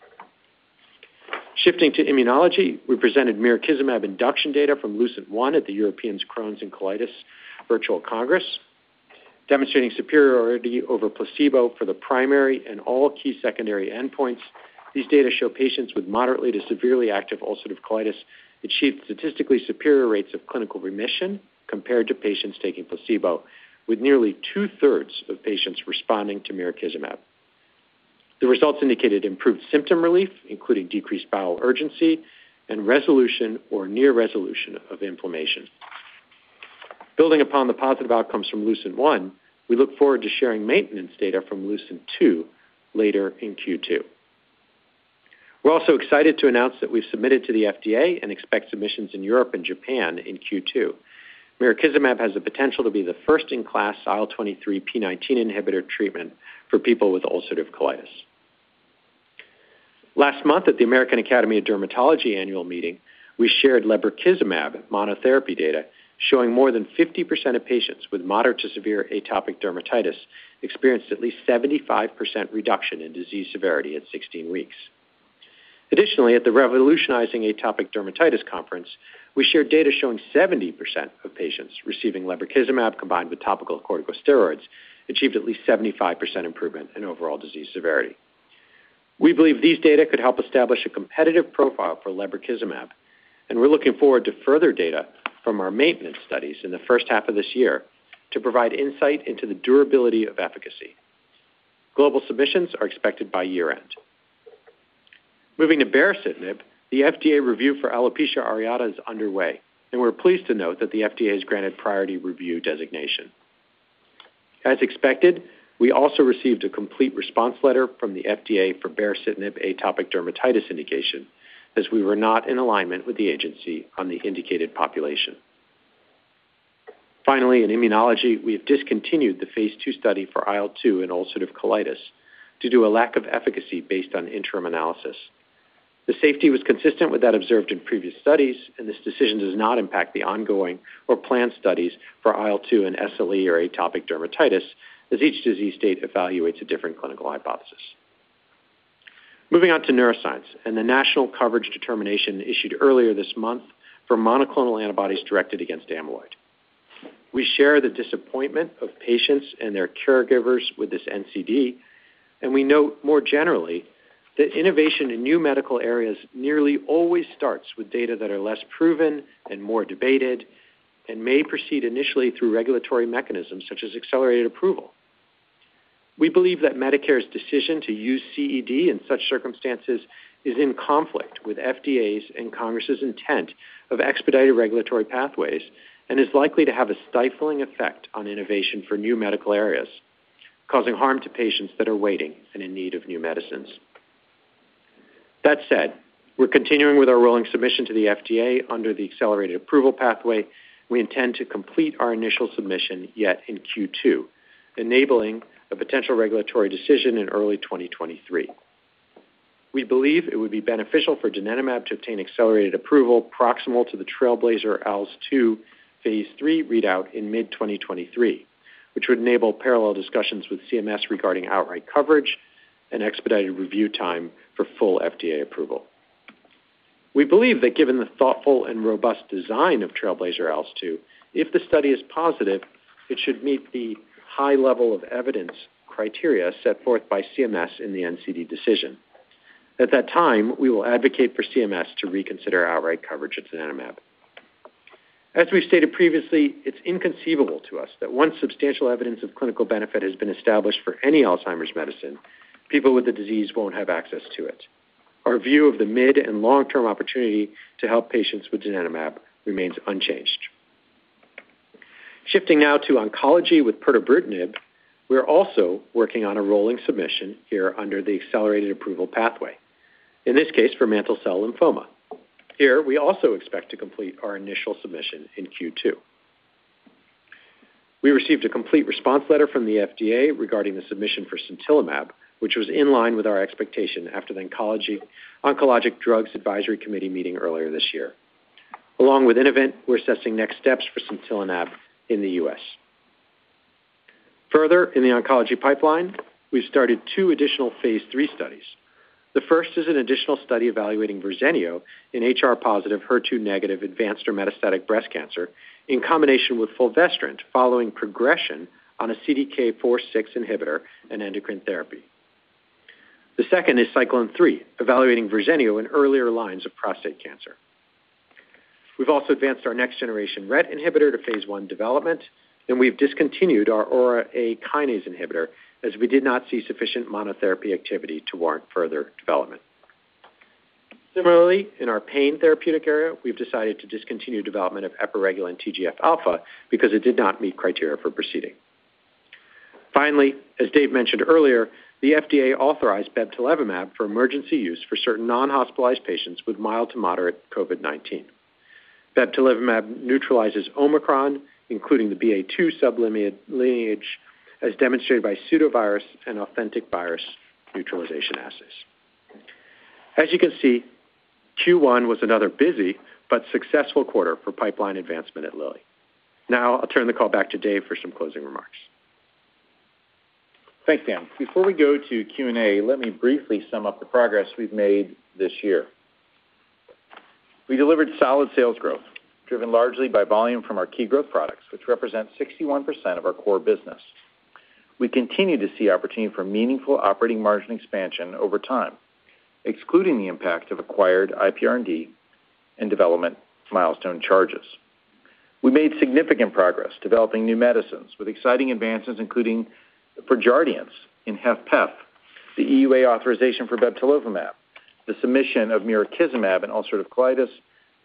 Speaker 5: Shifting to immunology, we presented mirikizumab induction data from LUCENT-1 at the European Crohn's and Colitis Virtual Congress, demonstrating superiority over placebo for the primary and all key secondary endpoints. These data show patients with moderately to severely active ulcerative colitis achieved statistically superior rates of clinical remission compared to patients taking placebo, with nearly 2/3 of patients responding to mirikizumab. The results indicated improved symptom relief, including decreased bowel urgency and resolution or near resolution of inflammation. Building upon the positive outcomes from LUCENT-1, we look forward to sharing maintenance data from LUCENT-2 later in Q2. We're also excited to announce that we've submitted to the FDA and expect submissions in Europe and Japan in Q2. Mirikizumab has the potential to be the first-in-class IL-23 p19 inhibitor treatment for people with ulcerative colitis. Last month at the American Academy of Dermatology annual meeting, we shared lebrikizumab monotherapy data showing more than 50% of patients with moderate to severe atopic dermatitis experienced at least 75% reduction in disease severity at 16 weeks. Additionally, at the Revolutionizing Atopic Dermatitis Conference, we shared data showing 70% of patients receiving lebrikizumab combined with topical corticosteroids achieved at least 75% improvement in overall disease severity. We believe these data could help establish a competitive profile for lebrikizumab, and we're looking forward to further data from our maintenance studies in the first half of this year to provide insight into the durability of efficacy. Global submissions are expected by year-end. Moving to baricitinib, the FDA review for alopecia areata is underway, and we're pleased to note that the FDA has granted priority review designation. As expected, we also received a complete response letter from the FDA for baricitinib atopic dermatitis indication, as we were not in alignment with the agency on the indicated population. Finally, in immunology, we have discontinued the phase II study for IL-2 in ulcerative colitis due to a lack of efficacy based on interim analysis. The safety was consistent with that observed in previous studies, and this decision does not impact the ongoing or planned studies for IL-2 in SLE or atopic dermatitis, as each disease state evaluates a different clinical hypothesis. Moving on to neuroscience and the national coverage determination issued earlier this month for monoclonal antibodies directed against amyloid. We share the disappointment of patients and their caregivers with this NCD, and we note more generally that innovation in new medical areas nearly always starts with data that are less proven and more debated and may proceed initially through regulatory mechanisms such as accelerated approval. We believe that Medicare's decision to use CED in such circumstances is in conflict with FDA's and Congress's intent of expedited regulatory pathways and is likely to have a stifling effect on innovation for new medical areas, causing harm to patients that are waiting and in need of new medicines. That said, we're continuing with our rolling submission to the FDA under the accelerated approval pathway. We intend to complete our initial submission yet in Q2, enabling a potential regulatory decision in early 2023. We believe it would be beneficial for donanemab to obtain accelerated approval proximal to the TRAILBLAZER-ALZ 2 phase III readout in mid-2023, which would enable parallel discussions with CMS regarding outright coverage and expedited review time for full FDA approval. We believe that given the thoughtful and robust design of TRAILBLAZER-ALZ 2, if the study is positive, it should meet the high level of evidence criteria set forth by CMS in the NCD decision. At that time, we will advocate for CMS to reconsider outright coverage of donanemab. As we stated previously, it's inconceivable to us that once substantial evidence of clinical benefit has been established for any Alzheimer's medicine, people with the disease won't have access to it. Our view of the mid- and long-term opportunity to help patients with donanemab remains unchanged. Shifting now to oncology with pirtobrutinib, we are also working on a rolling submission here under the accelerated approval pathway, in this case for mantle cell lymphoma. Here, we also expect to complete our initial submission in Q2. We received a complete response letter from the FDA regarding the submission for sintilimab, which was in line with our expectation after the Oncologic Drugs Advisory Committee meeting earlier this year. Along with Innovent, we're assessing next steps for sintilimab in the U.S. Further, in the oncology pipeline, we've started two additional phase III studies. The first is an additional study evaluating Verzenio in HR positive, HER2 negative, advanced or metastatic breast cancer in combination with fulvestrant following progression on a CDK4/6 inhibitor and endocrine therapy. The second is Cyclone 3, evaluating Verzenio in earlier lines of prostate cancer. We've also advanced our next-generation RET inhibitor to phase I development, and we've discontinued our Aurora-A kinase inhibitor as we did not see sufficient monotherapy activity to warrant further development. Similarly, in our pain therapeutic area, we've decided to discontinue development of epiregulin/TGF-alpha because it did not meet criteria for proceeding. Finally, as Dave mentioned earlier, the FDA authorized bebtelovimab for emergency use for certain non-hospitalized patients with mild to moderate COVID-19. bebtelovimab neutralizes Omicron, including the BA.2 sublineage, as demonstrated by pseudovirus and authentic virus neutralization assays. As you can see, Q1 was another busy but successful quarter for pipeline advancement at Lilly. Now I'll turn the call back to Dave for some closing remarks.
Speaker 3: Thanks, Dan. Before we go to Q&A, let me briefly sum up the progress we've made this year. We delivered solid sales growth, driven largely by volume from our key growth products, which represent 61% of our core business. We continue to see opportunity for meaningful operating margin expansion over time, excluding the impact of acquired IPR&D and development milestone charges. We made significant progress developing new medicines with exciting advances, including for Jardiance in HFpEF, the EUA authorization for bebtelovimab, the submission of mirikizumab in ulcerative colitis,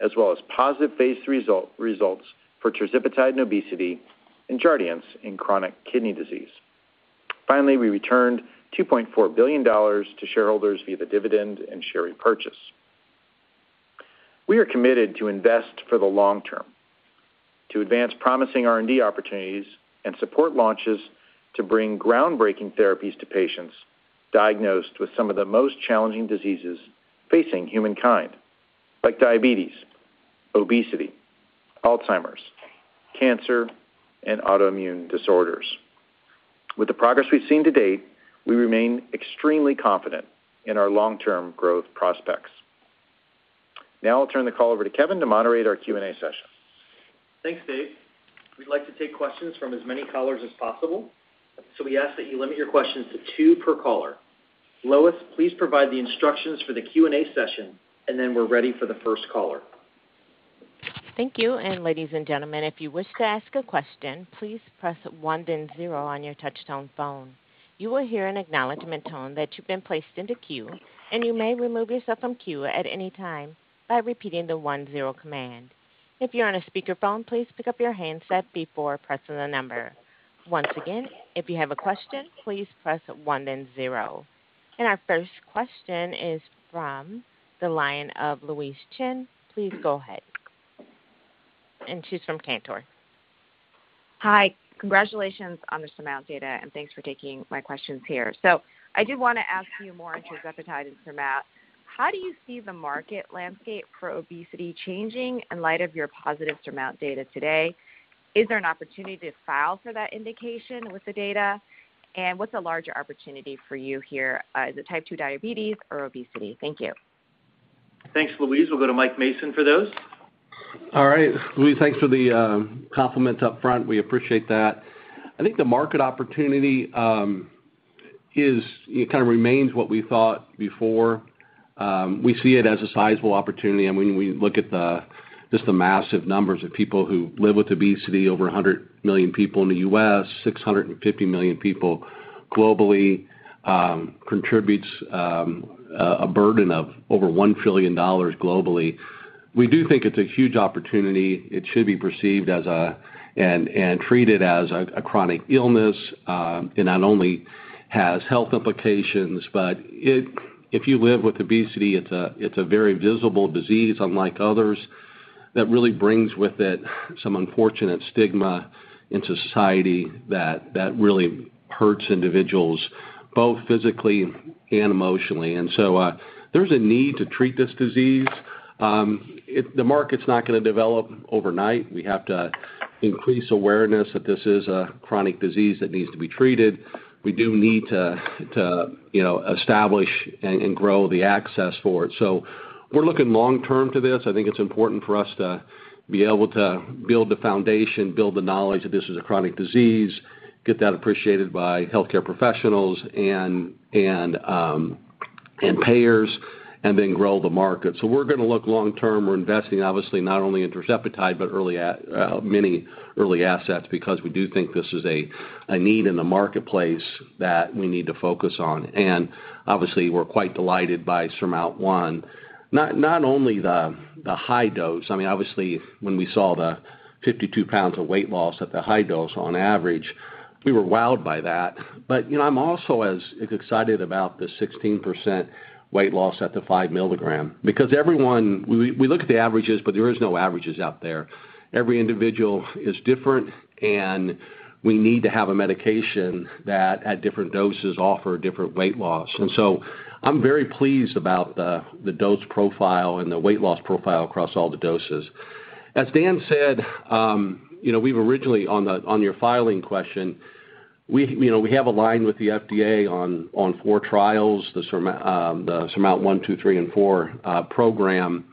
Speaker 3: as well as positive phase results for tirzepatide in obesity and Jardiance in chronic kidney disease. Finally, we returned $2.4 billion to shareholders via the dividend and share repurchase. We are committed to invest for the long term, to advance promising R&D opportunities and support launches to bring groundbreaking therapies to patients diagnosed with some of the most challenging diseases facing humankind, like diabetes, obesity, Alzheimer's, cancer, and autoimmune disorders. With the progress we've seen to date, we remain extremely confident in our long-term growth prospects. Now I'll turn the call over to Kevin to moderate our Q&A session.
Speaker 2: Thanks, Dave. We'd like to take questions from as many callers as possible, so we ask that you limit your questions to two per caller. Lois, please provide the instructions for the Q&A session, and then we're ready for the first caller.
Speaker 1: Thank you. Ladies and gentlemen, if you wish to ask a question, please press 1 then 0 on your touch-tone phone. You will hear an acknowledgment tone that you've been placed into queue, and you may remove yourself from queue at any time by repeating the 1-0 command. If you're on a speakerphone, please pick up your handset before pressing the number. Once again, if you have a question, please press 1 then 0. Our first question is from the line of Louise Chen. Please go ahead. She's from Cantor.
Speaker 6: Hi. Congratulations on the SURMOUNT data, and thanks for taking my questions here. I did want to ask you more into tirzepatide and SURMOUNT. How do you see the market landscape for obesity changing in light of your positive SURMOUNT data today? Is there an opportunity to file for that indication with the data? And what's the larger opportunity for you here? Is it type 2 diabetes or obesity? Thank you.
Speaker 3: Thanks, Louise. We'll go to Mike Mason for those.
Speaker 7: All right, Louise, thanks for the compliment up front. We appreciate that. I think the market opportunity it kind of remains what we thought before. We see it as a sizable opportunity, and when we look at just the massive numbers of people who live with obesity, over 100 million people in the US, 650 million people globally, contributes a burden of over $1 trillion globally. We do think it's a huge opportunity. It should be perceived as and treated as a chronic illness. It not only has health implications, but it if you live with obesity, it's a very visible disease, unlike others, that really brings with it some unfortunate stigma into society that really hurts individuals, both physically and emotionally. There's a need to treat this disease. The market's not going to develop overnight. We have to increase awareness that this is a chronic disease that needs to be treated. We do need to, you know, establish and grow the access for it. We're looking long term to this. I think it's important for us to be able to build the foundation, build the knowledge that this is a chronic disease, get that appreciated by healthcare professionals and payers, and then grow the market. We're going to look long term. We're investing, obviously, not only in tirzepatide, but many early assets because we do think this is a need in the marketplace that we need to focus on. Obviously, we're quite delighted by SURMOUNT-1. Not only the high dose. I mean, obviously when we saw the 52 pounds of weight loss at the high dose on average, we were wowed by that. You know, I'm also as excited about the 16% weight loss at the 5 milligram because everyone. We look at the averages, but there is no averages out there. Every individual is different, and we need to have a medication that at different doses offer different weight loss. I'm very pleased about the dose profile and the weight loss profile across all the doses. As Dan said, you know, we've originally on the, on your filing question, we have aligned with the FDA on four trials, the SURMOUNT 1, 2, 3, and 4 program.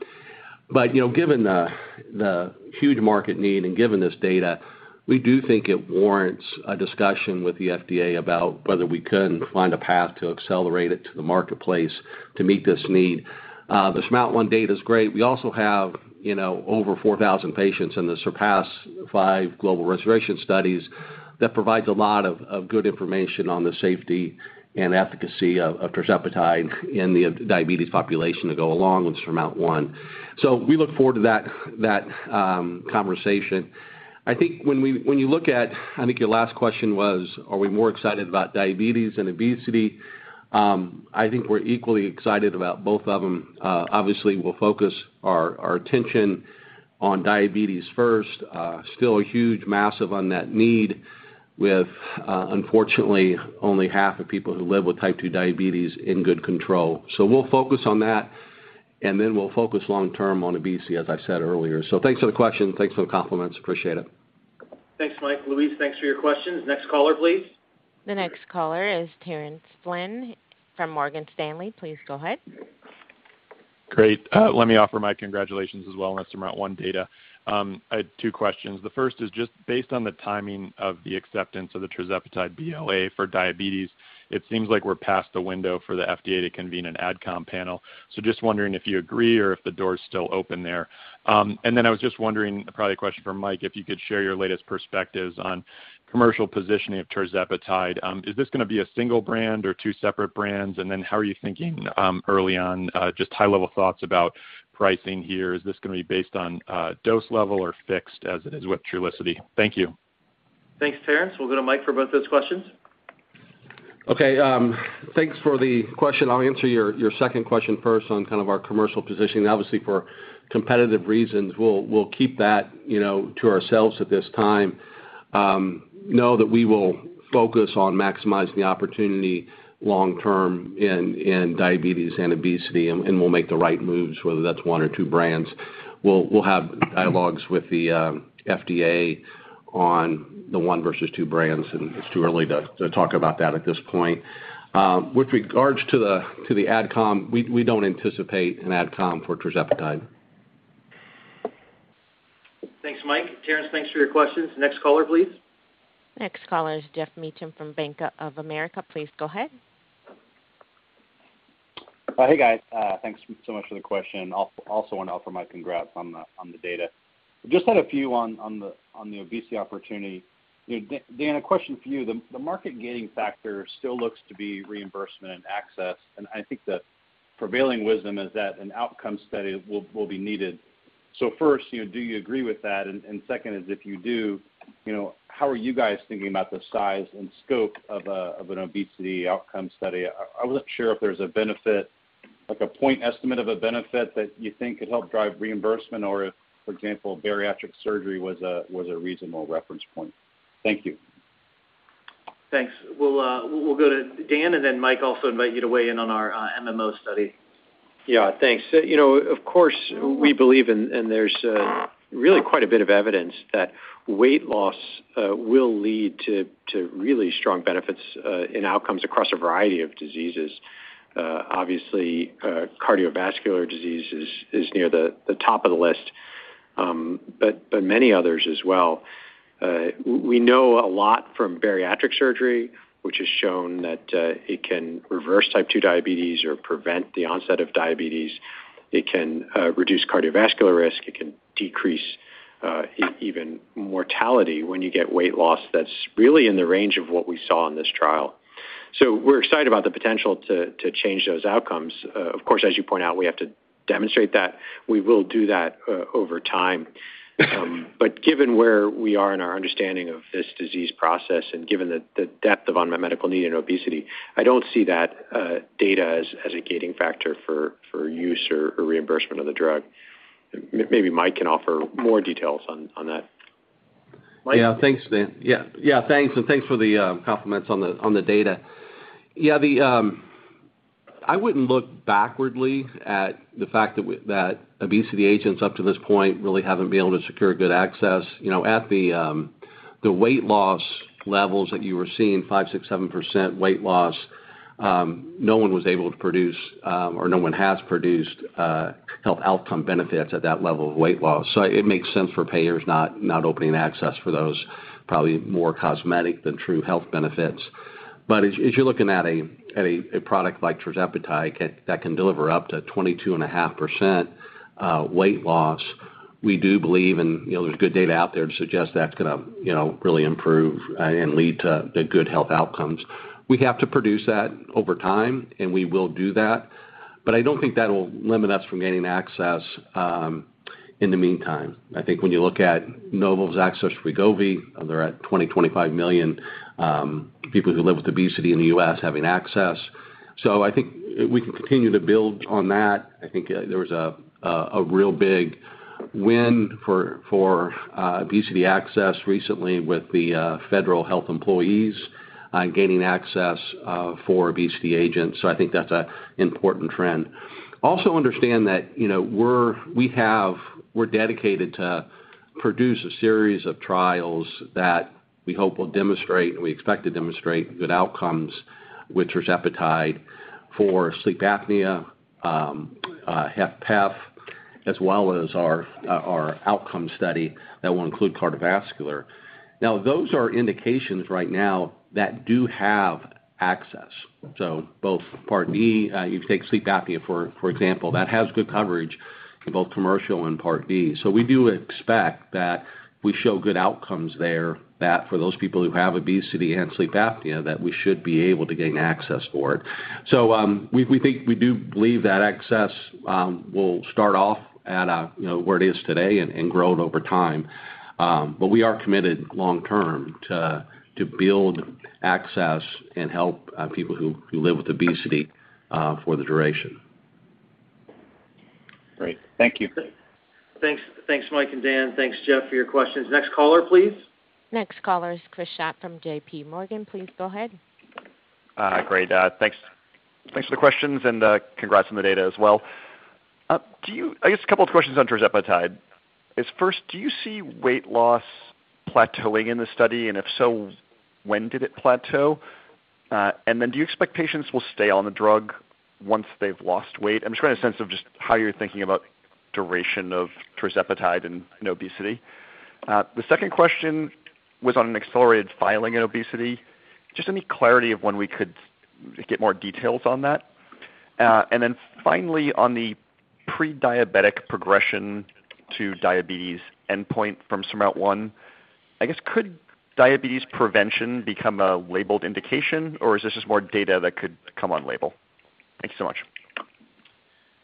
Speaker 7: You know, given the huge market need and given this data, we do think it warrants a discussion with the FDA about whether we couldn't find a path to accelerate it to the marketplace to meet this need. The SURMOUNT-1 data is great. We also have, you know, over 4,000 patients in the SURPASS-5 global registration studies that provides a lot of good information on the safety and efficacy of tirzepatide in the diabetes population to go along with SURMOUNT-1. We look forward to that conversation. I think when you look at, I think your last question was, are we more excited about diabetes than obesity? I think we're equally excited about both of them. Obviously, we'll focus our attention on diabetes first. Still a huge, massive unmet need with, unfortunately, only half the people who live with type 2 diabetes in good control. We'll focus on that, and then we'll focus long term on obesity, as I said earlier. Thanks for the question. Thanks for the compliments. Appreciate it.
Speaker 2: Thanks, Mike. Louise, thanks for your questions. Next caller, please.
Speaker 1: The next caller is Terence Flynn from Morgan Stanley. Please go ahead.
Speaker 8: Great. Let me offer my congratulations as well on some SURMOUNT-1 data. I have two questions. The first is just based on the timing of the acceptance of the tirzepatide BLA for diabetes. It seems like we're past the window for the FDA to convene an adcom panel. Just wondering if you agree or if the door is still open there. Then I was just wondering, probably a question for Mike, if you could share your latest perspectives on commercial positioning of tirzepatide. Is this gonna be a single brand or two separate brands? Then how are you thinking early on just high-level thoughts about pricing here? Is this gonna be based on dose level or fixed as it is with Trulicity? Thank you.
Speaker 2: Thanks, Terence. We'll go to Mike for both those questions.
Speaker 7: Okay, thanks for the question. I'll answer your second question first on kind of our commercial positioning. Obviously, for competitive reasons, we'll keep that, you know, to ourselves at this time. Know that we will focus on maximizing the opportunity long term in diabetes and obesity, and we'll make the right moves, whether that's one or two brands. We'll have dialogues with the FDA on the one versus two brands, and it's too early to talk about that at this point. With regards to the ad com, we don't anticipate an ad com for tirzepatide.
Speaker 2: Thanks, Mike. Terence, thanks for your questions. Next caller, please.
Speaker 1: Next caller is Geoff Meacham from Bank of America. Please go ahead.
Speaker 9: Hey, guys. Thanks so much for the question. Also want to offer my congrats on the data. Just had a few on the obesity opportunity. Dan, a question for you. The market gaining factor still looks to be reimbursement and access, and I think the prevailing wisdom is that an outcome study will be needed. First, you know, do you agree with that? Second, if you do, you know, how are you guys thinking about the size and scope of an obesity outcome study? I wasn't sure if there's a benefit, like a point estimate of a benefit that you think could help drive reimbursement or if, for example, bariatric surgery was a reasonable reference point. Thank you.
Speaker 2: Thanks. We'll go to Dan, and then Mike, also invite you to weigh in on our MMO study.
Speaker 5: Yeah. Thanks. You know, of course, we believe and there's really quite a bit of evidence that weight loss will lead to really strong benefits in outcomes across a variety of diseases. Obviously, cardiovascular disease is near the top of the list, but many others as well. We know a lot from bariatric surgery, which has shown that it can reverse type 2 diabetes or prevent the onset of diabetes. It can reduce cardiovascular risk. It can decrease even mortality when you get weight loss that's really in the range of what we saw in this trial. We're excited about the potential to change those outcomes. Of course, as you point out, we have to demonstrate that. We will do that over time. Given where we are in our understanding of this disease process and given the depth of unmet medical need in obesity, I don't see that data as a gating factor for use or reimbursement of the drug. Maybe Mike can offer more details on that.
Speaker 2: Mike?
Speaker 7: Yeah. Thanks, Dan. Yeah. Thanks. Thanks for the compliments on the data. Yeah, I wouldn't look backwardly at the fact that obesity agents up to this point really haven't been able to secure good access. You know, at the weight loss levels that you were seeing, 5%-7% weight loss, no one was able to produce or no one has produced health outcome benefits at that level of weight loss. It makes sense for payers not opening access for those probably more cosmetic than true health benefits. As you're looking at a product like tirzepatide that can deliver up to 22.5% weight loss, we do believe, and you know, there's good data out there to suggest that's gonna you know, really improve and lead to good health outcomes. We have to produce that over time, and we will do that. I don't think that'll limit us from gaining access in the meantime. I think when you look at Novo's access for Wegovy, they're at 20-25 million people who live with obesity in the U.S. having access. I think we can continue to build on that. I think there was a real big win for obesity access recently with the federal health employees gaining access for obesity agents. I think that's an important trend. Also understand that, you know, we're dedicated to produce a series of trials that we hope will demonstrate, and we expect to demonstrate good outcomes with tirzepatide for sleep apnea, HFpEF, as well as our outcome study that will include cardiovascular. Those are indications right now that do have access. Both Part D, you take sleep apnea, for example, that has good coverage in both commercial and Part D. We do expect that we show good outcomes there, that for those people who have obesity and sleep apnea, that we should be able to gain access for it. We think we do believe that access will start off at a, you know, where it is today and grow it over time. We are committed long term to build access and help people who live with obesity for the duration.
Speaker 9: Great. Thank you.
Speaker 2: Thanks. Thanks, Mike and Dan. Thanks, Geoff, for your questions. Next caller, please.
Speaker 1: Next caller is Chris Schott from J.P. Morgan. Please go ahead.
Speaker 10: Great. Thanks for the questions and congrats on the data as well. I guess a couple of questions on tirzepatide is first, do you see weight loss plateauing in the study, and if so, when did it plateau? And then do you expect patients will stay on the drug once they've lost weight? I'm just getting a sense of just how you're thinking about duration of tirzepatide in obesity. The second question was on an accelerated filing in obesity. Just any clarity of when we could get more details on that. And then finally on the pre-diabetic progression to diabetes endpoint from SURMOUNT-1, I guess could diabetes prevention become a labeled indication, or is this just more data that could come on label? Thank you so much.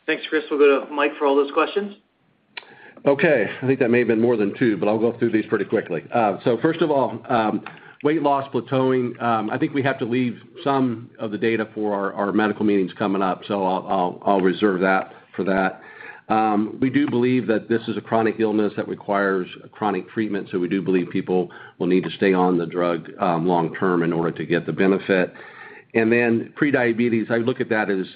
Speaker 2: Thanks, Chris. We'll go to Mike for all those questions.
Speaker 7: Okay. I think that may have been more than two, but I'll go through these pretty quickly. First of all, weight loss plateauing, I think we have to leave some of the data for our medical meetings coming up, so I'll reserve that for that. We do believe that this is a chronic illness that requires a chronic treatment, so we do believe people will need to stay on the drug long term in order to get the benefit. Then pre-diabetes, I look at that as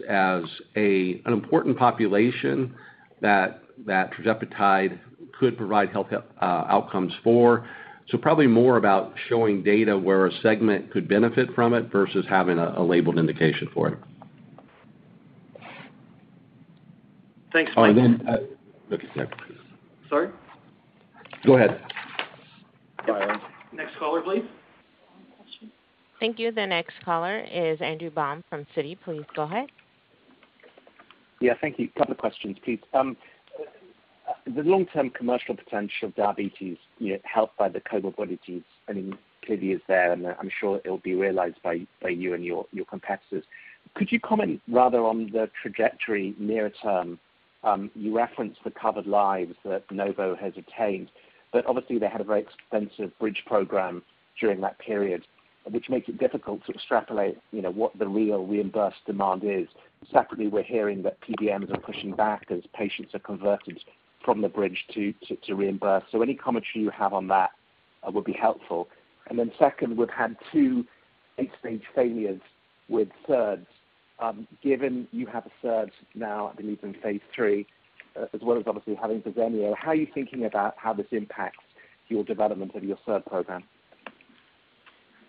Speaker 7: an important population that tirzepatide could provide health outcomes for. Probably more about showing data where a segment could benefit from it versus having a labeled indication for it.
Speaker 10: Thanks, Mike.
Speaker 7: Oh, and then, uh
Speaker 10: Sorry?
Speaker 7: Go ahead.
Speaker 10: Sorry.
Speaker 2: Next caller, please.
Speaker 1: Thank you. The next caller is Andrew Baum from Citi. Please go ahead.
Speaker 11: Yeah, thank you. Couple of questions, please. The long-term commercial potential of diabetes, you know, helped by the comorbidities, I mean, clearly is there, and I'm sure it'll be realized by you and your competitors. Could you comment rather on the trajectory near term? You referenced the covered lives that Novo has attained, but obviously they had a very expensive bridge program during that period, which makes it difficult to extrapolate, you know, what the real reimbursed demand is. Secondly, we're hearing that PBMs are pushing back as patients are converted from the bridge to reimburse. Any commentary you have on that would be helpful. Second, we've had two late-stage failures with SERDs. Given you have a SERD now, I believe, in phase III, as well as obviously having Verzenio, how are you thinking about how this impacts your development of your SERD program?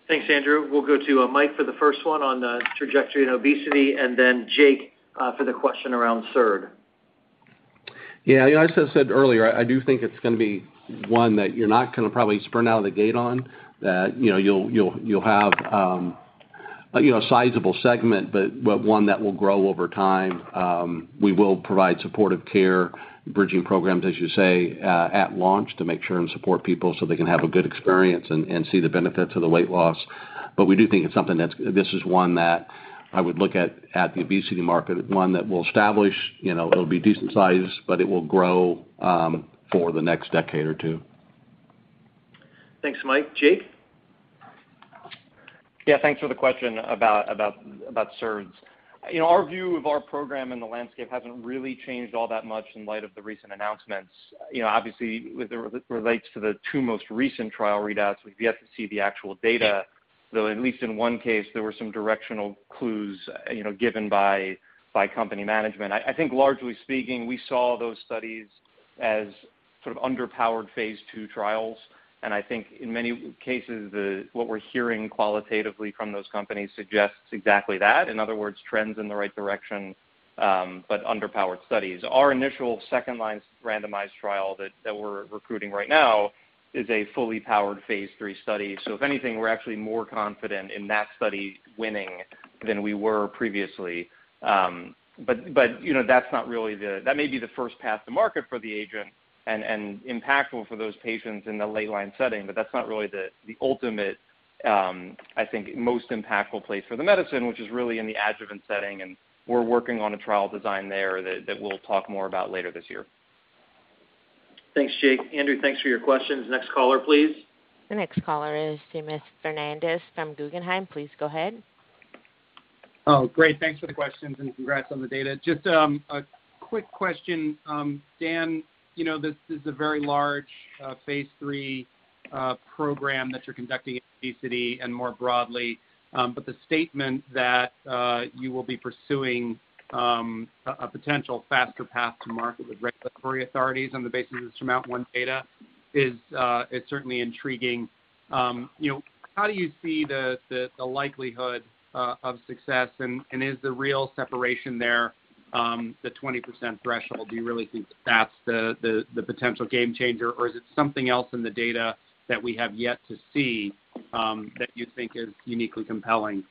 Speaker 2: Thanks, Andrew. We'll go to Mike for the first one on the trajectory in obesity, and then Jake for the question around SERD.
Speaker 7: Yeah. You know, as I said earlier, I do think it's gonna be one that you're not gonna probably sprint out of the gate on, that, you know, you'll have a sizable segment, but one that will grow over time. We will provide supportive care bridging programs, as you say, at launch to make sure and support people so they can have a good experience and see the benefits of the weight loss. We do think it's something. This is one that I would look at the obesity market, one that will establish, you know, it'll be decent size, but it will grow for the next decade or two.
Speaker 2: Thanks, Mike. Jake?
Speaker 12: Yeah, thanks for the question about SERDs. You know, our view of our program and the landscape hasn't really changed all that much in light of the recent announcements. You know, obviously, relates to the two most recent trial readouts, we've yet to see the actual data, though at least in one case, there were some directional clues, you know, given by company management. I think largely speaking, we saw those studies as sort of underpowered phase II trials. I think in many cases, what we're hearing qualitatively from those companies suggests exactly that. In other words, trends in the right direction, but underpowered studies. Our initial second-line randomized trial that we're recruiting right now is a fully powered phase III study. If anything, we're actually more confident in that study winning than we were previously. You know, that may be the first path to market for the agent and impactful for those patients in the late line setting, but that's not really the ultimate, I think most impactful place for the medicine, which is really in the adjuvant setting, and we're working on a trial design there that we'll talk more about later this year.
Speaker 2: Thanks, Jake. Andrew, thanks for your questions. Next caller, please.
Speaker 1: The next caller is Seamus Fernandez from Guggenheim. Please go ahead.
Speaker 13: Oh, great. Thanks for the questions and congrats on the data. Just a quick question. Dan, you know, this is a very large phase III program that you're conducting in obesity and more broadly. The statement that you will be pursuing a potential faster path to market with regulatory authorities on the basis of SURMOUNT-1 data is certainly intriguing. You know, how do you see the likelihood of success, and is the real separation there the 20% threshold? Do you really think that's the potential game changer, or is it something else in the data that we have yet to see that you think is uniquely compelling?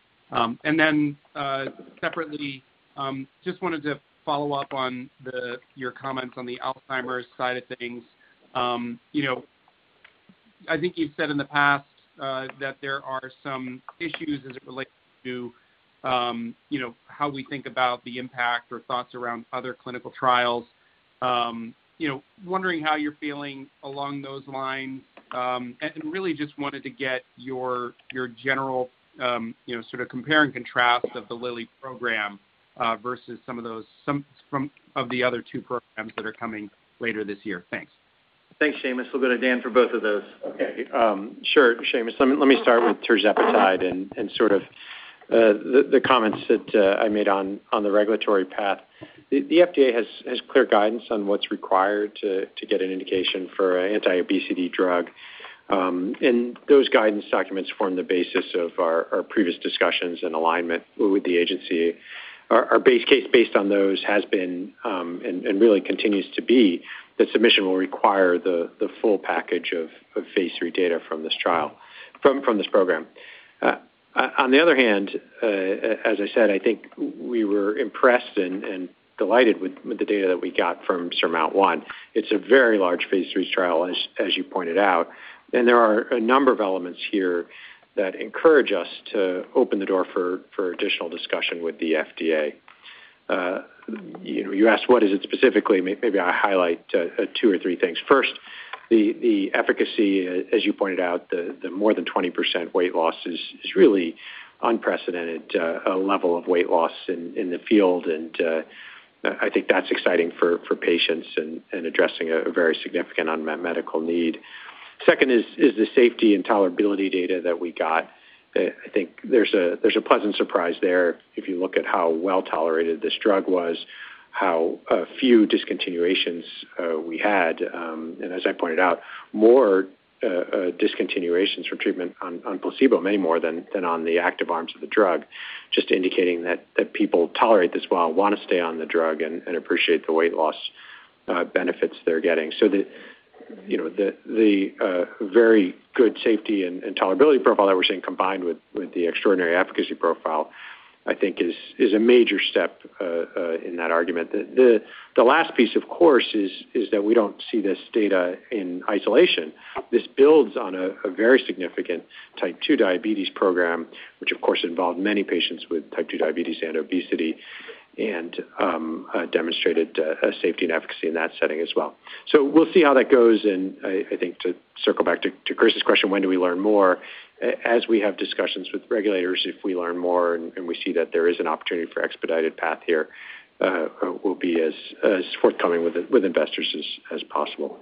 Speaker 13: Separately, just wanted to follow up on your comments on the Alzheimer's side of things. You know, I think you've said in the past that there are some issues as it relates to you know, how we think about the impact or thoughts around other clinical trials. You know, wondering how you're feeling along those lines, and really just wanted to get your general you know, sort of compare and contrast of the Lilly program versus some of the other two programs that are coming later this year. Thanks.
Speaker 2: Thanks, Seamus. We'll go to Dan for both of those.
Speaker 5: Sure, Seamus. Let me start with tirzepatide and sort of the comments that I made on the regulatory path. The FDA has clear guidance on what's required to get an indication for an anti-obesity drug. Those guidance documents form the basis of our previous discussions and alignment with the agency. Our base case based on those has been and really continues to be that submission will require the full package of phase III data from this trial, from this program. On the other hand, as I said, I think we were impressed and delighted with the data that we got from SURMOUNT-1. It's a very large phase III trial, as you pointed out, and there are a number of elements here that encourage us to open the door for additional discussion with the FDA. You know, you asked what is it specifically. Maybe I'll highlight two or three things. First, the efficacy, as you pointed out, the more than 20% weight loss is really unprecedented level of weight loss in the field. I think that's exciting for patients and addressing a very significant unmet medical need. Second is the safety and tolerability data that we got. I think there's a pleasant surprise there if you look at how well-tolerated this drug was, how few discontinuations we had. As I pointed out, more discontinuations from treatment on placebo, many more than on the active arms of the drug, just indicating that people tolerate this well, want to stay on the drug, and appreciate the weight loss benefits they're getting. The, you know, the very good safety and tolerability profile that we're seeing combined with the extraordinary efficacy profile, I think is a major step in that argument. The last piece, of course, is that we don't see this data in isolation. This builds on a very significant type two diabetes program, which of course involved many patients with type two diabetes and obesity and demonstrated safety and efficacy in that setting as well. We'll see how that goes. I think to circle back to Chris's question, when do we learn more? As we have discussions with regulators, if we learn more and we see that there is an opportunity for expedited path here, we'll be as forthcoming with investors as possible.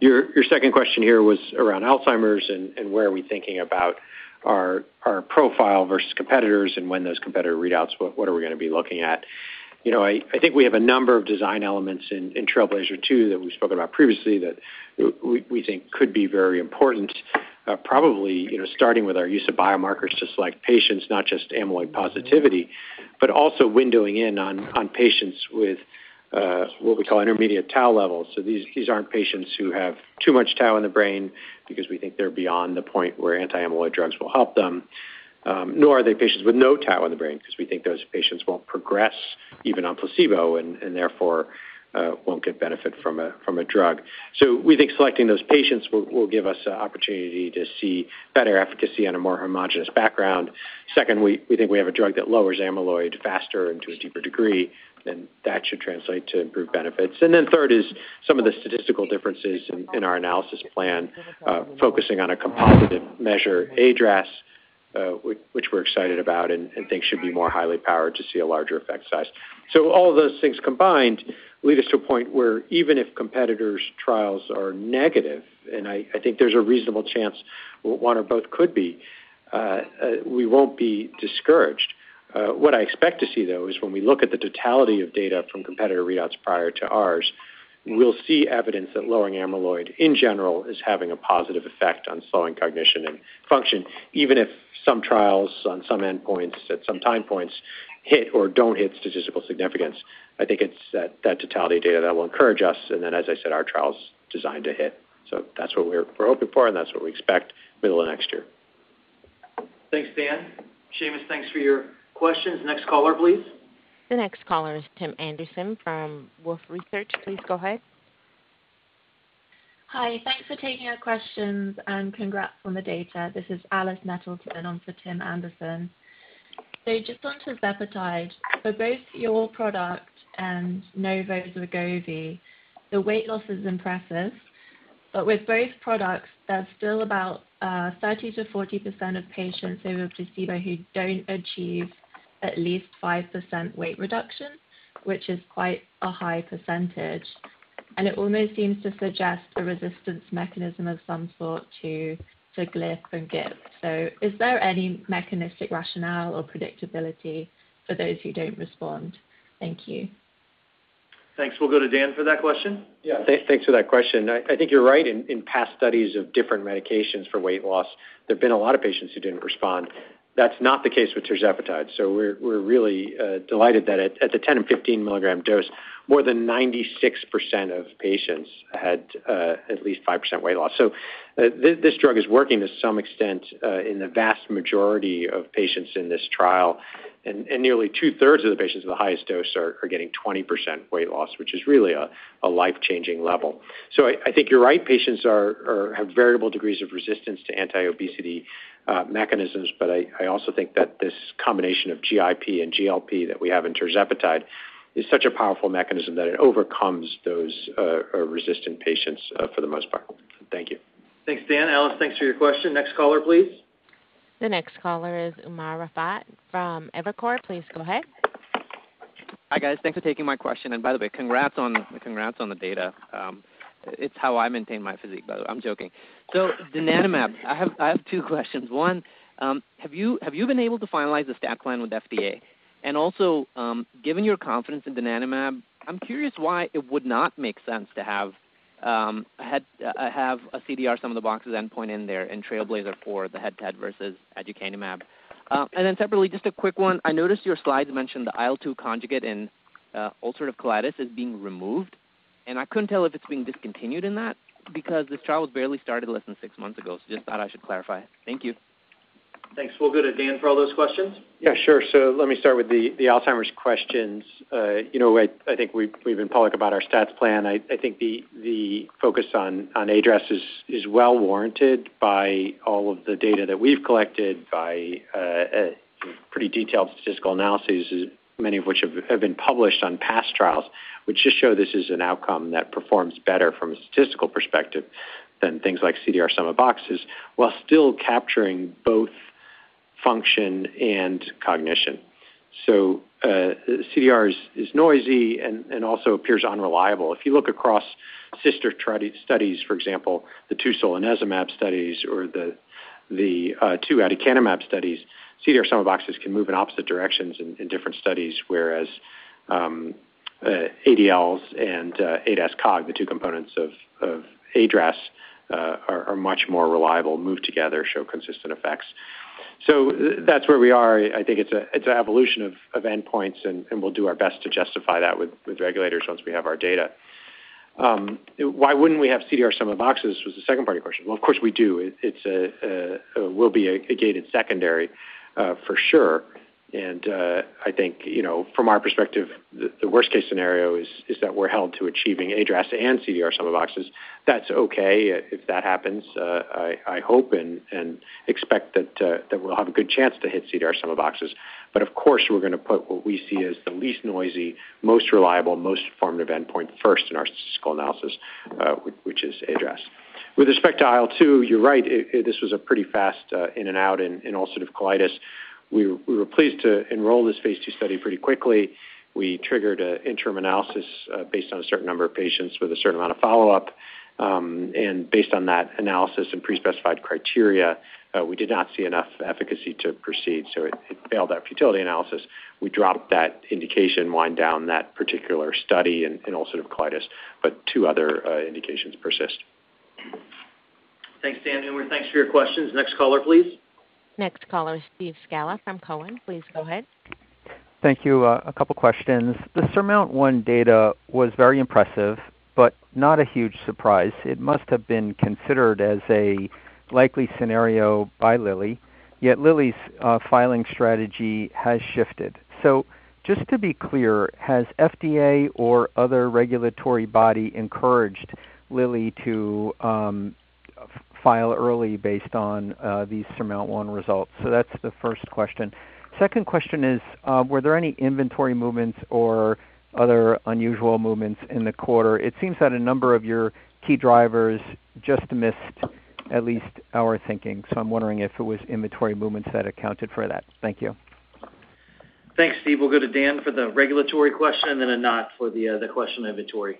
Speaker 5: Your second question here was around Alzheimer's and where are we thinking about our profile versus competitors and when those competitor readouts, what are we gonna be looking at? You know, I think we have a number of design elements in TRAILBLAZER-ALZ 2 that we've spoken about previously that we think could be very important, probably, you know, starting with our use of biomarkers to select patients, not just amyloid positivity, but also windowing in on patients with what we call intermediate tau levels. These aren't patients who have too much tau in the brain because we think they're beyond the point where anti-amyloid drugs will help them, nor are they patients with no tau in the brain because we think those patients won't progress even on placebo and therefore won't get benefit from a drug. We think selecting those patients will give us an opportunity to see better efficacy on a more homogeneous background. Second, we think we have a drug that lowers amyloid faster and to a deeper degree than that should translate to improved benefits. Third is some of the statistical differences in our analysis plan, focusing on a composite measure iADRS, which we're excited about and think should be more highly powered to see a larger effect size. All of those things combined lead us to a point where even if competitors' trials are negative, and I think there's a reasonable chance one or both could be, we won't be discouraged. What I expect to see, though, is when we look at the totality of data from competitor readouts prior to ours, we'll see evidence that lowering amyloid in general is having a positive effect on slowing cognition and function, even if some trials on some endpoints at some time points hit or don't hit statistical significance. I think it's that totality data that will encourage us. As I said, our trial's designed to hit. That's what we're hoping for and that's what we expect middle of next year.
Speaker 2: Thanks, Dan. Seamus, thanks for your questions. Next caller, please.
Speaker 1: The next caller is Tim Anderson from Wolfe Research. Please go ahead.
Speaker 14: Hi. Thanks for taking our questions, and congrats on the data. This is Alice Nettleton on for Tim Anderson. Just on tirzepatide, for both your product and Novo's Wegovy, the weight loss is impressive. With both products, there's still about 30%-40% of patients over placebo who don't achieve at least 5% weight reduction, which is quite a high percentage. It almost seems to suggest a resistance mechanism of some sort to GLP and GIP. Is there any mechanistic rationale or predictability for those who don't respond? Thank you.
Speaker 2: Thanks. We'll go to Dan for that question.
Speaker 5: Yeah. Thanks for that question. I think you're right. In past studies of different medications for weight loss, there have been a lot of patients who didn't respond. That's not the case with tirzepatide. We're really delighted that at the 10 and 15 milligram dose, more than 96% of patients had at least 5% weight loss. This drug is working to some extent in the vast majority of patients in this trial. And nearly 2/3 of the patients with the highest dose are getting 20% weight loss, which is really a life-changing level. I think you're right, patients have variable degrees of resistance to anti-obesity mechanisms, but I also think that this combination of GIP and GLP that we have in tirzepatide is such a powerful mechanism that it overcomes those resistant patients for the most part.
Speaker 2: Thanks, Dan. Alice, thanks for your question. Next caller, please.
Speaker 1: The next caller is Umer Raffat from Evercore. Please go ahead.
Speaker 15: Hi, guys. Thanks for taking my question. By the way, congrats on the data. It's how I maintain my physique. By the way, I'm joking. Donanemab, I have two questions. One, have you been able to finalize the stat plan with FDA? Also, given your confidence in donanemab, I'm curious why it would not make sense to have a CDR sum of the boxes endpoint in there in TRAILBLAZER-ALZ for the head-to-head versus aducanumab. Separately, just a quick one. I noticed your slides mentioned the IL-2 conjugate in ulcerative colitis is being removed, and I couldn't tell if it's being discontinued in that because this trial was barely started less than six months ago. Just thought I should clarify. Thank you.
Speaker 5: Thanks. We'll go to Dan for all those questions. Yeah, sure. Let me start with the Alzheimer's questions. You know, I think we've been public about our stats plan. I think the focus on iADRS is well warranted by all of the data that we've collected by pretty detailed statistical analyses, many of which have been published on past trials, which just show this is an outcome that performs better from a statistical perspective than things like CDR-SB, while still capturing both function and cognition. CDR is noisy and also appears unreliable. If you look across similar studies, for example, the two solanezumab studies or the two aducanumab studies, CDR sum of boxes can move in opposite directions in different studies, whereas ADLs and ADAS-Cog, the two components of iADRS, are much more reliable, move together, show consistent effects. That's where we are. I think it's an evolution of endpoints, and we'll do our best to justify that with regulators once we have our data. Why wouldn't we have CDR sum of boxes? That was the second part of your question. Well, of course we do. It will be a gated secondary for sure. I think, you know, from our perspective, the worst-case scenario is that we're held to achieving iADRS and CDR sum of boxes. That's okay if that happens. I hope and expect that we'll have a good chance to hit CDR sum of boxes. But of course, we're gonna put what we see as the least noisy, most reliable, most formative endpoint first in our statistical analysis, which is iADRS. With respect to IL-2, you're right. It this was a pretty fast in and out in ulcerative colitis. We were pleased to enroll this phase II study pretty quickly. We triggered an interim analysis based on a certain number of patients with a certain amount of follow-up. And based on that analysis and pre-specified criteria, we did not see enough efficacy to proceed, so it failed that futility analysis. We dropped that indication, wind down that particular study in ulcerative colitis, but two other indications persist.
Speaker 2: Thanks, Dan. Umer, thanks for your questions. Next caller, please.
Speaker 1: Next caller is Steve Scala from Cowen. Please go ahead.
Speaker 16: Thank you. A couple questions. The SURMOUNT-1 data was very impressive but not a huge surprise. It must have been considered as a likely scenario by Lilly, yet Lilly's filing strategy has shifted. Just to be clear, has FDA or other regulatory body encouraged Lilly to file early based on these SURMOUNT-1 results? That's the first question. Second question is, were there any inventory movements or other unusual movements in the quarter? It seems that a number of your key drivers just missed at least our thinking, so I'm wondering if it was inventory movements that accounted for that. Thank you.
Speaker 5: Thanks, Steve. We'll go to Dan for the regulatory question and then Anat for the question on inventory.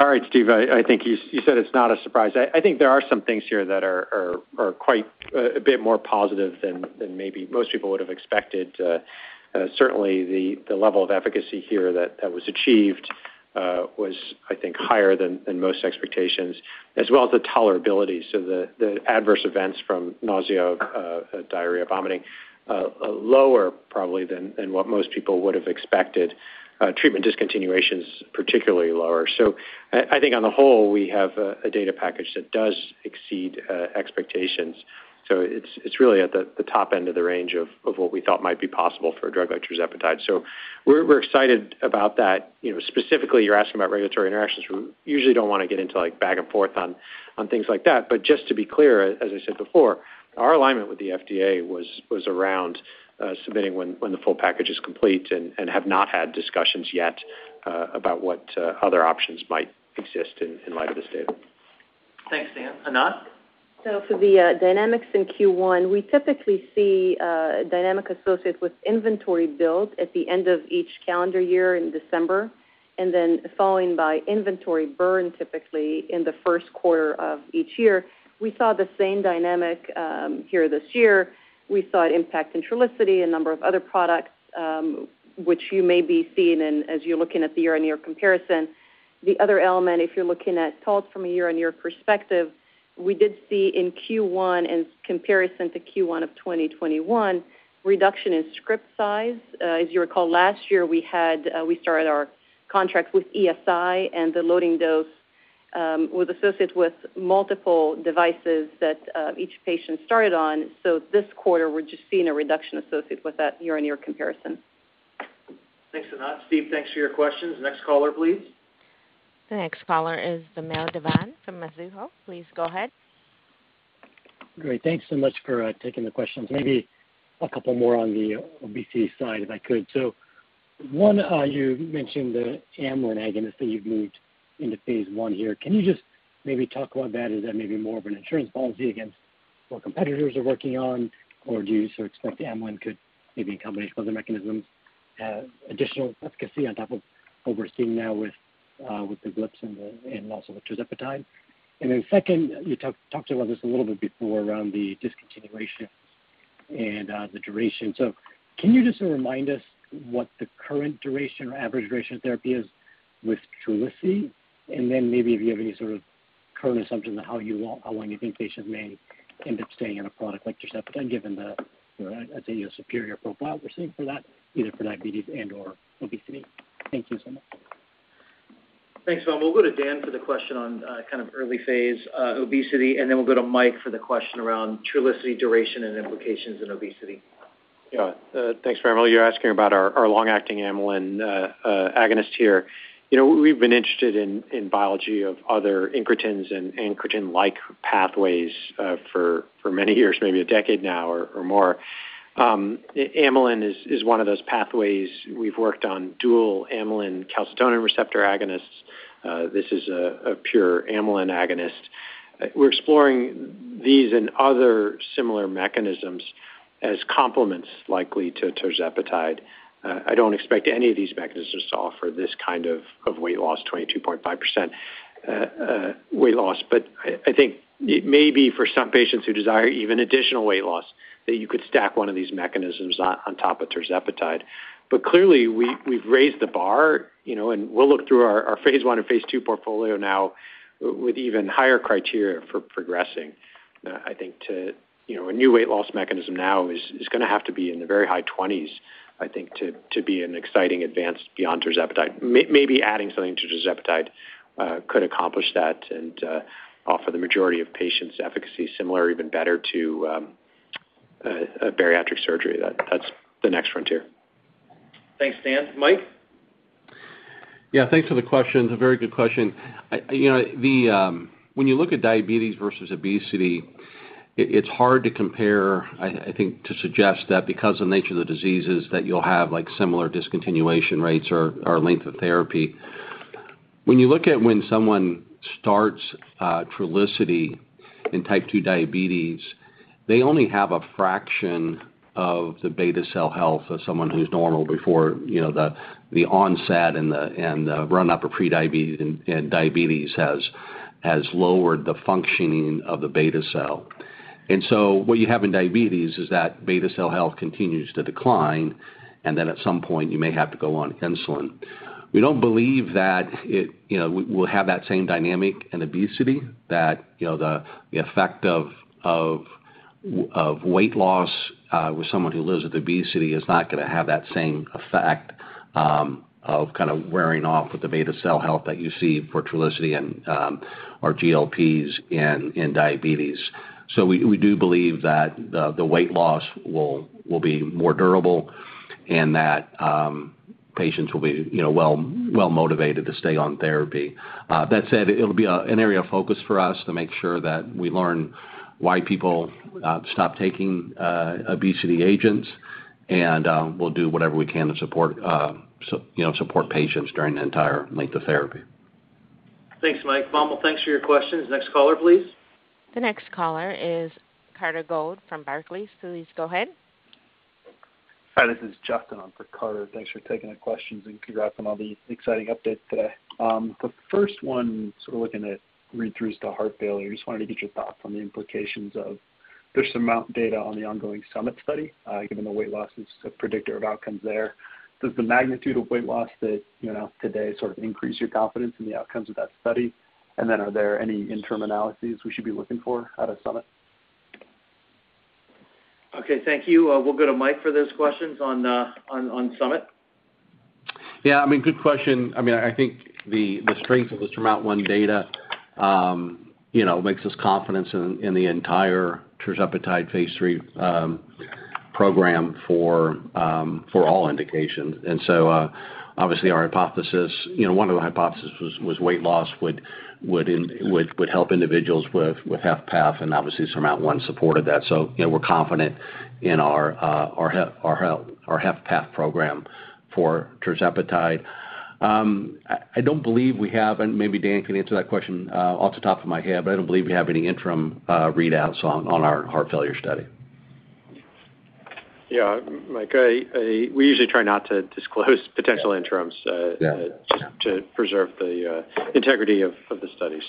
Speaker 5: All right, Steve. I think you said it's not a surprise. I think there are some things here that are quite a bit more positive than maybe most people would have expected. Certainly the level of efficacy here that was achieved was, I think, higher than most expectations, as well as the tolerability. The adverse events from nausea, diarrhea, vomiting lower probably than what most people would have expected. Treatment discontinuations particularly lower. I think on the whole, we have a data package that does exceed expectations. It's really at the top end of the range of what we thought might be possible for a drug like tirzepatide. We're excited about that. You know, specifically, you're asking about regulatory interactions. We usually don't wanna get into, like, back and forth on things like that. Just to be clear, as I said before, our alignment with the FDA was around submitting when the full package is complete and have not had discussions yet about what other options might exist in light of this data. Thanks, Dan. Anat? For the dynamics in Q1, we typically see a dynamic associated with inventory build at the end of each calendar year in December and then followed by inventory burn typically in the first quarter of each year. We saw the same dynamic here this year. We saw it impact in Trulicity, a number of other products, which you may be seeing in, as you're looking at the year-on-year comparison. The other element, if you're looking at totals from a year-on-year perspective, we did see in Q1 in comparison to Q1 of 2021 reduction in script size. As you recall, last year we started our contract with ESI and the loading dose was associated with multiple devices that each patient started on. This quarter we're just seeing a reduction associated with that year-on-year comparison.
Speaker 2: Thanks, Anat. Steve, thanks for your questions. Next caller, please.
Speaker 1: The next caller is Vamil Divan from Mizuho. Please go ahead.
Speaker 17: Great. Thanks so much for taking the questions. Maybe a couple more on the obesity side, if I could. One, you mentioned the amylin agonist that you've moved into phase I here. Can you just maybe talk about that? Is that maybe more of an insurance policy against what competitors are working on? Or do you sort of expect the amylin could maybe in combination with other mechanisms, additional efficacy on top of what we're seeing now with the GLPs and also tirzepatide? And then second, you talked about this a little bit before around the discontinuation and the duration. Can you just remind us what the current duration or average duration of therapy is with Trulicity? And then maybe if you have any sort of current assumption on how you want... How long you think patients may end up staying on a product like tirzepatide, given the, you know, I'd say, you know, superior profile we're seeing for that, either for diabetes and/or obesity? Thank you so much.
Speaker 2: Thanks, Vamil. We'll go to Dan for the question on kind of early phase obesity, and then we'll go to Mike for the question around Trulicity duration and implications in obesity.
Speaker 5: Yeah. Thanks, Vamil. You're asking about our long-acting amylin agonist here. You know, we've been interested in biology of other incretins and incretin-like pathways for many years, maybe a decade now or more. Amylin is one of those pathways. We've worked on dual amylin calcitonin receptor agonists. This is a pure amylin agonist. We're exploring these and other similar mechanisms as complements likely to tirzepatide. I don't expect any of these mechanisms to offer this kind of weight loss, 22.5% weight loss. But I think it may be for some patients who desire even additional weight loss, that you could stack one of these mechanisms on top of tirzepatide. Clearly, we've raised the bar, you know, and we'll look through our phase I and phase II portfolio now with even higher criteria for progressing. I think, you know, a new weight loss mechanism now is gonna have to be in the very high 20s, I think, to be an exciting advance beyond tirzepatide. Maybe adding something to tirzepatide could accomplish that and offer the majority of patients efficacy similar or even better to a bariatric surgery. That's the next frontier.
Speaker 2: Thanks, Dan. Mike?
Speaker 7: Yeah, thanks for the question. It's a very good question. You know, when you look at diabetes versus obesity, it's hard to compare, I think, to suggest that because of the nature of the diseases that you'll have, like, similar discontinuation rates or length of therapy. When you look at when someone starts Trulicity in type 2 diabetes, they only have a fraction of the beta cell health of someone who's normal before, you know, the onset and the run up of pre-diabetes and diabetes has lowered the functioning of the beta cell. What you have in diabetes is that beta cell health continues to decline, and then at some point, you may have to go on insulin. We don't believe that, you know, we'll have that same dynamic in obesity, that, you know, the effect of weight loss with someone who lives with obesity is not gonna have that same effect of kind of wearing off with the beta cell health that you see for Trulicity and our GLPs in diabetes. We do believe that the weight loss will be more durable and that patients will be, you know, well motivated to stay on therapy. That said, it'll be an area of focus for us to make sure that we learn why people stop taking obesity agents, and we'll do whatever we can to support, you know, support patients during the entire length of therapy.
Speaker 2: Thanks, Mike. Vamil, thanks for your questions. Next caller, please.
Speaker 1: The next caller is Carter Gould from Barclays. Please go ahead.
Speaker 18: Hi, this is Justin on for Carter. Thanks for taking the questions, and congrats on all the exciting updates today. The first one, sort of looking at read-throughs to heart failure. Just wanted to get your thoughts on the implications. There's some amount of data on the ongoing SURMOUNT study, given the weight loss is a predictor of outcomes there. Does the magnitude of weight loss that you announced today sort of increase your confidence in the outcomes of that study? And then are there any interim analyses we should be looking for out of SURMOUNT?
Speaker 2: Okay. Thank you. We'll go to Mike for those questions on SURMOUNT.
Speaker 7: Yeah, I mean, good question. I mean, I think the strength of the SURMOUNT-1 data, you know, makes us confident in the entire tirzepatide phase III program for all indications. Obviously, our hypothesis, you know, one of the hypothesis was weight loss would help individuals with HFpEF, and obviously, SURMOUNT-1 supported that. You know, we're confident in our HFpEF program for tirzepatide. I don't believe we have, and maybe Dan can answer that question, off the top of my head, but I don't believe we have any interim readouts on our heart failure study.
Speaker 5: Yeah. Mike, we usually try not to disclose potential interims.
Speaker 7: Yeah.
Speaker 5: Just to preserve the integrity of the study.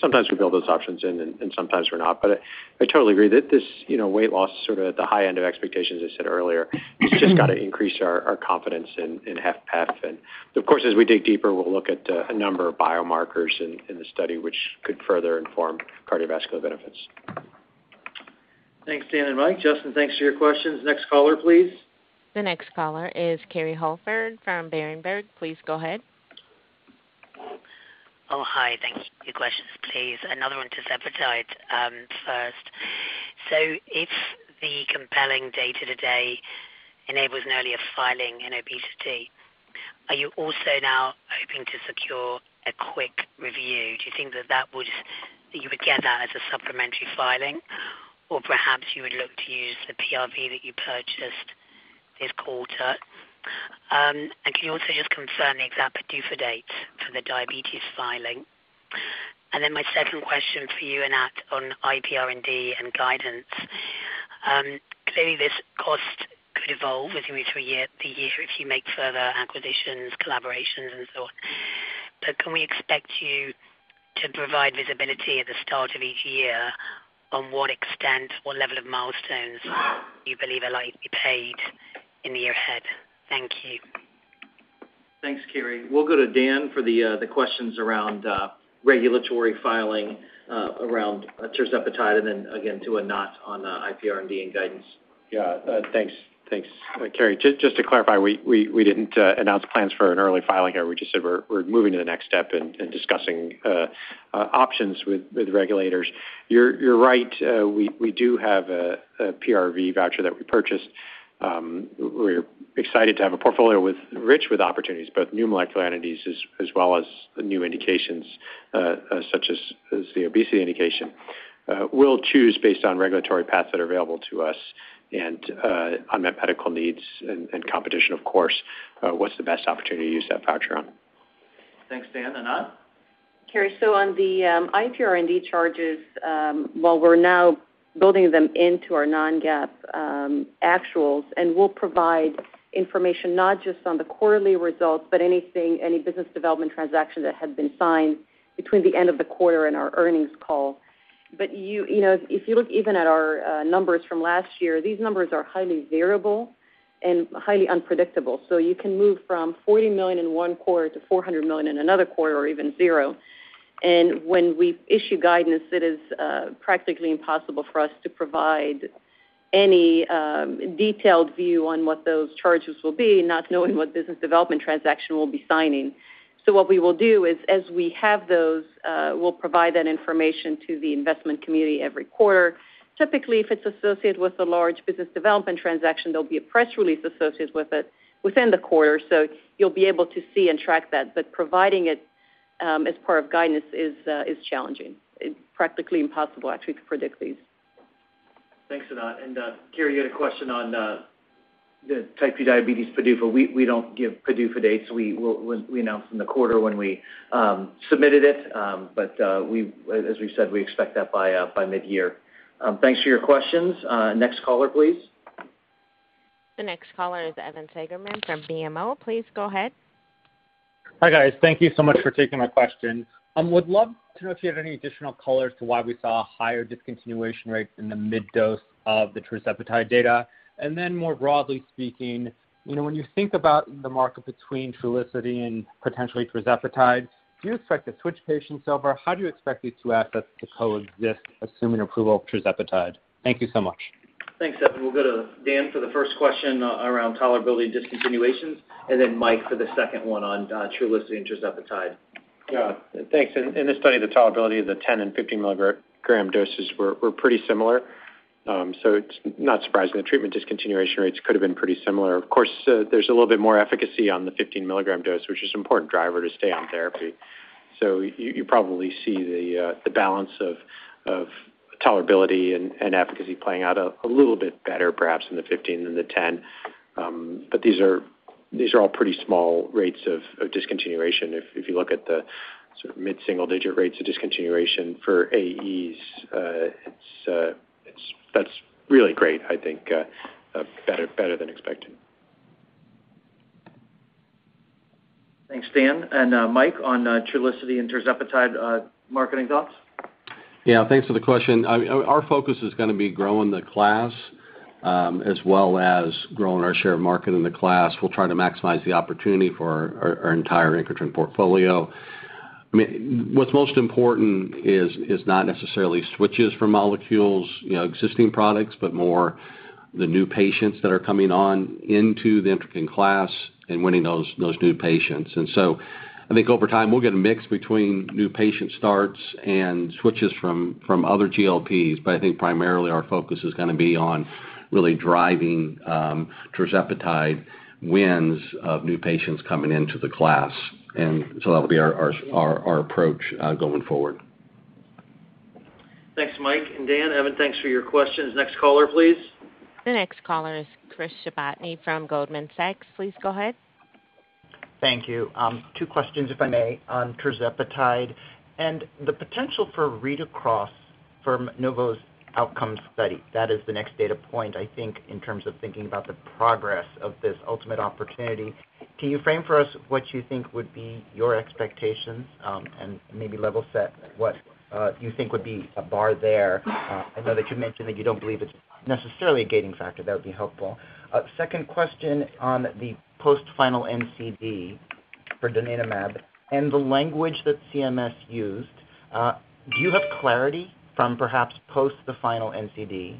Speaker 5: Sometimes we build those options in and sometimes we're not. I totally agree that this, you know, weight loss sort of at the high end of expectations, as I said earlier, has just gotta increase our confidence in HFpEF. Of course, as we dig deeper, we'll look at a number of biomarkers in the study, which could further inform cardiovascular benefits.
Speaker 2: Thanks, Dan and Mike. Justin, thanks for your questions. Next caller, please.
Speaker 1: The next caller is Kerry Holford from Berenberg. Please go ahead.
Speaker 19: Oh, hi. Thank you. Two questions, please. Another one tirzepatide first. If the compelling data today enables an earlier filing in obesity. Are you also now hoping to secure a quick review? Do you think that you would get that as a supplementary filing? Or perhaps you would look to use the PRV that you purchased this quarter? Can you also just confirm the exact PDUFA date for the diabetes filing? Then my second question for you, Anat, on IPR&D and guidance. Clearly this cost could evolve with you through the year if you make further acquisitions, collaborations and so on. Can we expect you to provide visibility at the start of each year on what extent, what level of milestones you believe are likely to be paid in the year ahead? Thank you.
Speaker 2: Thanks, Kerry. We'll go to Dan for the questions around regulatory filing around tirzepatide, and then again to Anat on IPR&D and guidance.
Speaker 5: Yeah. Thanks. Thanks, Carey. Just to clarify, we didn't announce plans for an early filing here. We just said we're moving to the next step and discussing options with regulators. You're right. We do have a PRV voucher that we purchased. We're excited to have a portfolio rich with opportunities, both new molecular entities as well as new indications, such as the obesity indication. We'll choose based on regulatory paths that are available to us and unmet medical needs and competition, of course, what's the best opportunity to use that voucher on.
Speaker 2: Thanks, Dan. Anat?
Speaker 4: Kerry, on the IPR&D charges, while we're now building them into our non-GAAP actuals, and we'll provide information not just on the quarterly results, but any business development transaction that had been signed between the end of the quarter and our earnings call. You know, if you look even at our numbers from last year, these numbers are highly variable and highly unpredictable. You can move from $40 million in one quarter to $400 million in another quarter or even zero. When we issue guidance, it is practically impossible for us to provide any detailed view on what those charges will be, not knowing what business development transaction we'll be signing. What we will do is, as we have those, we'll provide that information to the investment community every quarter. Typically, if it's associated with a large business development transaction, there'll be a press release associated with it within the quarter. You'll be able to see and track that. Providing it, as part of guidance is challenging. It's practically impossible actually to predict these.
Speaker 2: Thanks, Anat. Kerry, you had a question on the type two diabetes PDUFA. We don't give PDUFA dates. We'll announce in the quarter when we submitted it. But as we said, we expect that by mid-year. Thanks for your questions. Next caller, please.
Speaker 1: The next caller is Evan Seigerman from BMO. Please go ahead.
Speaker 20: Hi, guys. Thank you so much for taking my question. Would love to know if you have any additional color as to why we saw a higher discontinuation rate in the mid dose of the tirzepatide data? Then more broadly speaking, you know, when you think about the market between Trulicity and potentially tirzepatide, do you expect to switch patients over? How do you expect these two assets to coexist, assuming approval of tirzepatide? Thank you so much.
Speaker 2: Thanks, Evan. We'll go to Dan for the first question around tolerability discontinuations, and then Mike for the second one on Trulicity and tirzepatide.
Speaker 5: Yeah. Thanks. In this study, the tolerability of the 10 and 15 milligram doses were pretty similar. It's not surprising the treatment discontinuation rates could have been pretty similar. Of course, there's a little bit more efficacy on the 15-milligram dose, which is an important driver to stay on therapy. You probably see the balance of tolerability and efficacy playing out a little bit better perhaps in the 15 than the 10. These are all pretty small rates of discontinuation. If you look at the sort of mid-single digit rates of discontinuation for AEs, that's really great, I think, better than expected.
Speaker 2: Thanks, Dan. Mike, on Trulicity and tirzepatide, marketing thoughts?
Speaker 7: Yeah. Thanks for the question. Our focus is gonna be growing the class, as well as growing our share of market in the class. We'll try to maximize the opportunity for our entire incretin portfolio. I mean, what's most important is not necessarily switches from molecules, you know, existing products, but more the new patients that are coming on into the incretin class and winning those new patients. I think over time, we'll get a mix between new patient starts and switches from other GLPs. I think primarily our focus is gonna be on really driving tirzepatide wins of new patients coming into the class. That'll be our approach going forward.
Speaker 2: Thanks, Mike and Dan. Evan, thanks for your questions. Next caller, please.
Speaker 1: The next caller is Chris Shibutani from Goldman Sachs. Please go ahead.
Speaker 21: Thank you. Two questions, if I may, on tirzepatide and the potential for read-across from Novo's outcome study. That is the next data point, I think, in terms of thinking about the progress of this ultimate opportunity. Can you frame for us what you think would be your expectations, and maybe level set what you think would be a bar there? I know that you mentioned that you don't believe it's necessarily a gating factor. That would be helpful. Second question on the post final NCD for donanemab and the language that CMS used. Do you have clarity from perhaps post the final NCD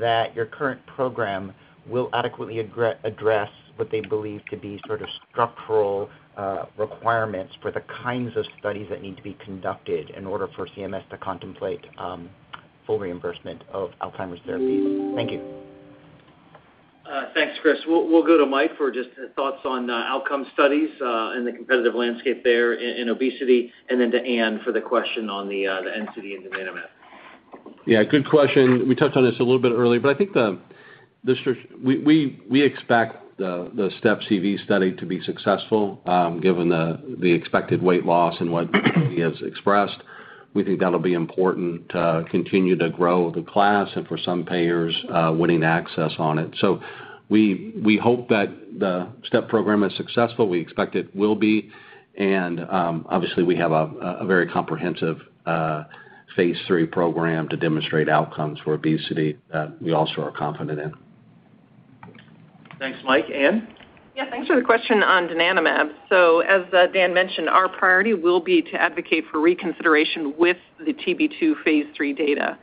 Speaker 21: that your current program will adequately address what they believe to be sort of structural requirements for the kinds of studies that need to be conducted in order for CMS to contemplate full reimbursement of Alzheimer's therapies? Thank you.
Speaker 2: Thanks, Chris. We'll go to Mike for just thoughts on outcome studies and the competitive landscape there in obesity, and then to Anne for the question on the efficacy in donanemab.
Speaker 7: Yeah, good question. We touched on this a little bit earlier, but I think we expect the Step CV study to be successful, given the expected weight loss and what he has expressed. We think that'll be important to continue to grow the class and for some payers, winning access on it. We hope that the Step program is successful. We expect it will be. Obviously, we have a very comprehensive phase III program to demonstrate outcomes for obesity that we also are confident in.
Speaker 2: Thanks, Mike. Anne.
Speaker 22: Yeah, thanks for the question on donanemab. As Dan mentioned, our priority will be to advocate for reconsideration with the TB2 phase III data.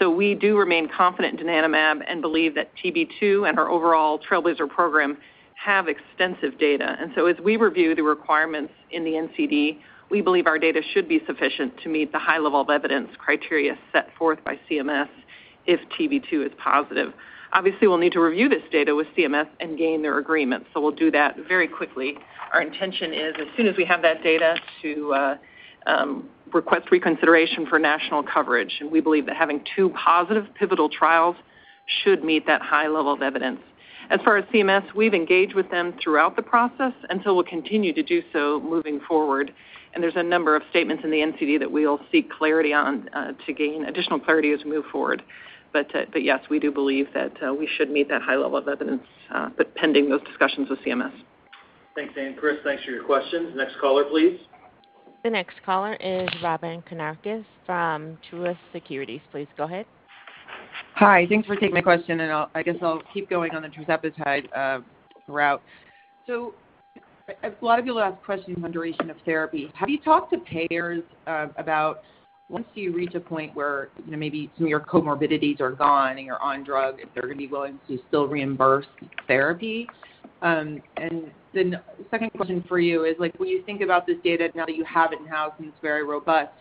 Speaker 22: We do remain confident in donanemab and believe that TB2 and our overall TRAILBLAZER-ALZ program have extensive data. As we review the requirements in the NCD, we believe our data should be sufficient to meet the high level of evidence criteria set forth by CMS if TB2 is positive. Obviously, we'll need to review this data with CMS and gain their agreement, so we'll do that very quickly. Our intention is as soon as we have that data to request reconsideration for national coverage. We believe that having two positive pivotal trials should meet that high level of evidence. As far as CMS, we've engaged with them throughout the process, and so we'll continue to do so moving forward. There's a number of statements in the NCD that we'll seek clarity on, to gain additional clarity as we move forward. Yes, we do believe that we should meet that high level of evidence, but pending those discussions with CMS.
Speaker 2: Thanks, Anne. Chris, thanks for your questions. Next caller, please.
Speaker 1: The next caller is Robyn Karnauskas from Truist Securities. Please go ahead.
Speaker 23: Hi. Thanks for taking my question, and I guess I'll keep going on the tirzepatide route. A lot of people ask questions on duration of therapy. Have you talked to payers about once you reach a point where, you know, maybe some of your comorbidities are gone and you're on drug, if they're gonna be willing to still reimburse therapy? And then second question for you is, like, when you think about this data now that you have it in-house and it's very robust,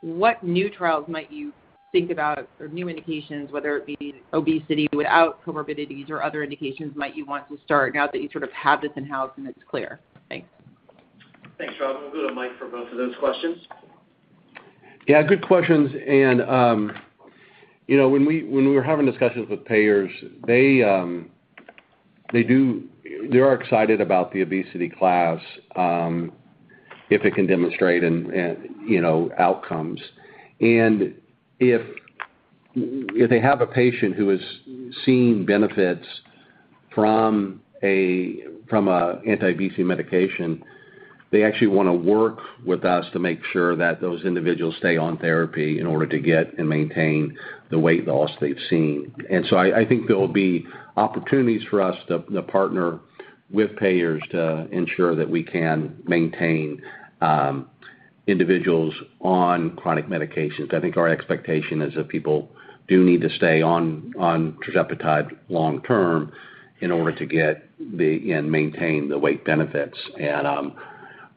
Speaker 23: what new trials might you think about or new indications, whether it be obesity without comorbidities or other indications, might you want to start now that you sort of have this in-house and it's clear? Thanks.
Speaker 2: Thanks, Robyn. We'll go to Mike for both of those questions.
Speaker 7: Yeah, good questions. You know, when we were having discussions with payers, they are excited about the obesity class, if it can demonstrate and, you know, outcomes. If they have a patient who is seeing benefits from an anti-obesity medication, they actually wanna work with us to make sure that those individuals stay on therapy in order to get and maintain the weight loss they've seen. I think there will be opportunities for us to partner with payers to ensure that we can maintain individuals on chronic medications. I think our expectation is that people do need to stay on tirzepatide long term in order to get and maintain the weight benefits.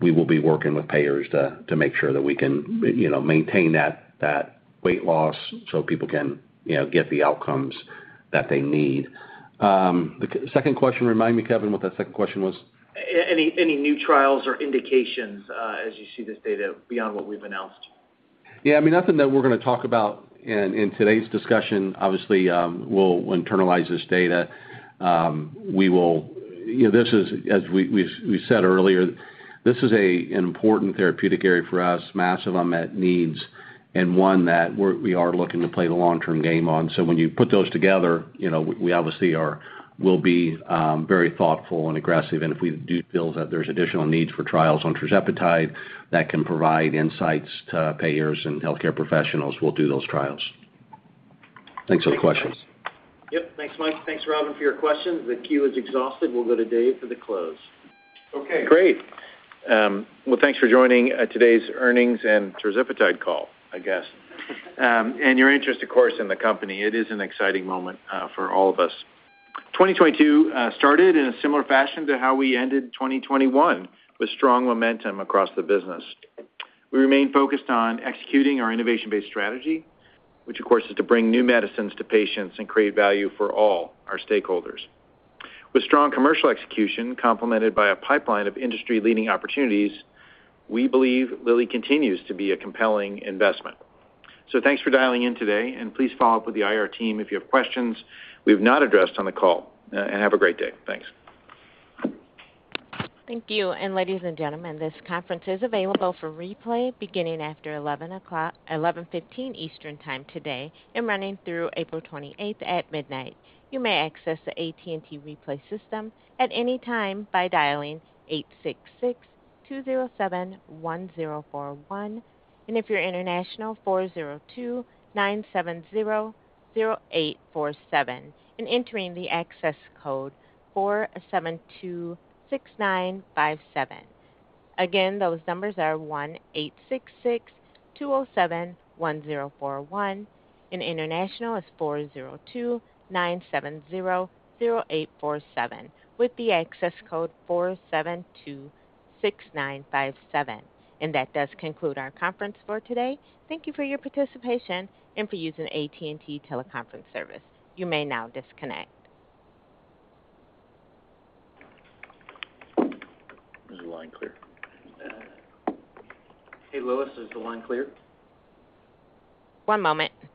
Speaker 7: We will be working with payers to make sure that we can, you know, maintain that weight loss so people can, you know, get the outcomes that they need. The second question, remind me, Kevin, what that second question was.
Speaker 23: Any new trials or indications as you see this data beyond what we've announced?
Speaker 7: Yeah, I mean, nothing that we're gonna talk about in today's discussion. Obviously, we'll internalize this data. You know, this is—as we said earlier, this is an important therapeutic area for us, massive unmet needs, and one that we are looking to play the long-term game on. So when you put those together, you know, we obviously will be very thoughtful and aggressive. If we do feel that there's additional needs for trials on tirzepatide that can provide insights to payers and healthcare professionals, we'll do those trials. Thanks for the questions.
Speaker 2: Yep. Thanks, Mike. Thanks, Robyn, for your questions. The queue is exhausted. We'll go to Dave for the close.
Speaker 3: Okay, great. Well, thanks for joining today's earnings and tirzepatide call, I guess. Your interest, of course, in the company. It is an exciting moment for all of us. 2022 started in a similar fashion to how we ended 2021, with strong momentum across the business. We remain focused on executing our innovation-based strategy, which of course is to bring new medicines to patients and create value for all our stakeholders. With strong commercial execution complemented by a pipeline of industry-leading opportunities, we believe Lilly continues to be a compelling investment. Thanks for dialing in today, and please follow up with the IR team if you have questions we've not addressed on the call. Have a great day. Thanks.
Speaker 1: Thank you. Ladies and gentlemen, this conference is available for replay beginning after 11:15 Eastern Time today and running through April 28th at midnight. You may access the AT&T replay system at any time by dialing 866-207-1041 and if you're international, 402-970-0847 and entering the access code 4726957. Again, those numbers are 1-866-207-1041 and international is 402-970-0847 with the access code 4726957. That does conclude our conference for today. Thank you for your participation and for using AT&T Teleconference Service. You may now disconnect.
Speaker 2: Is the line clear?
Speaker 3: Hey, Lois. Is the line clear?
Speaker 1: One moment.
Speaker 2: Okay.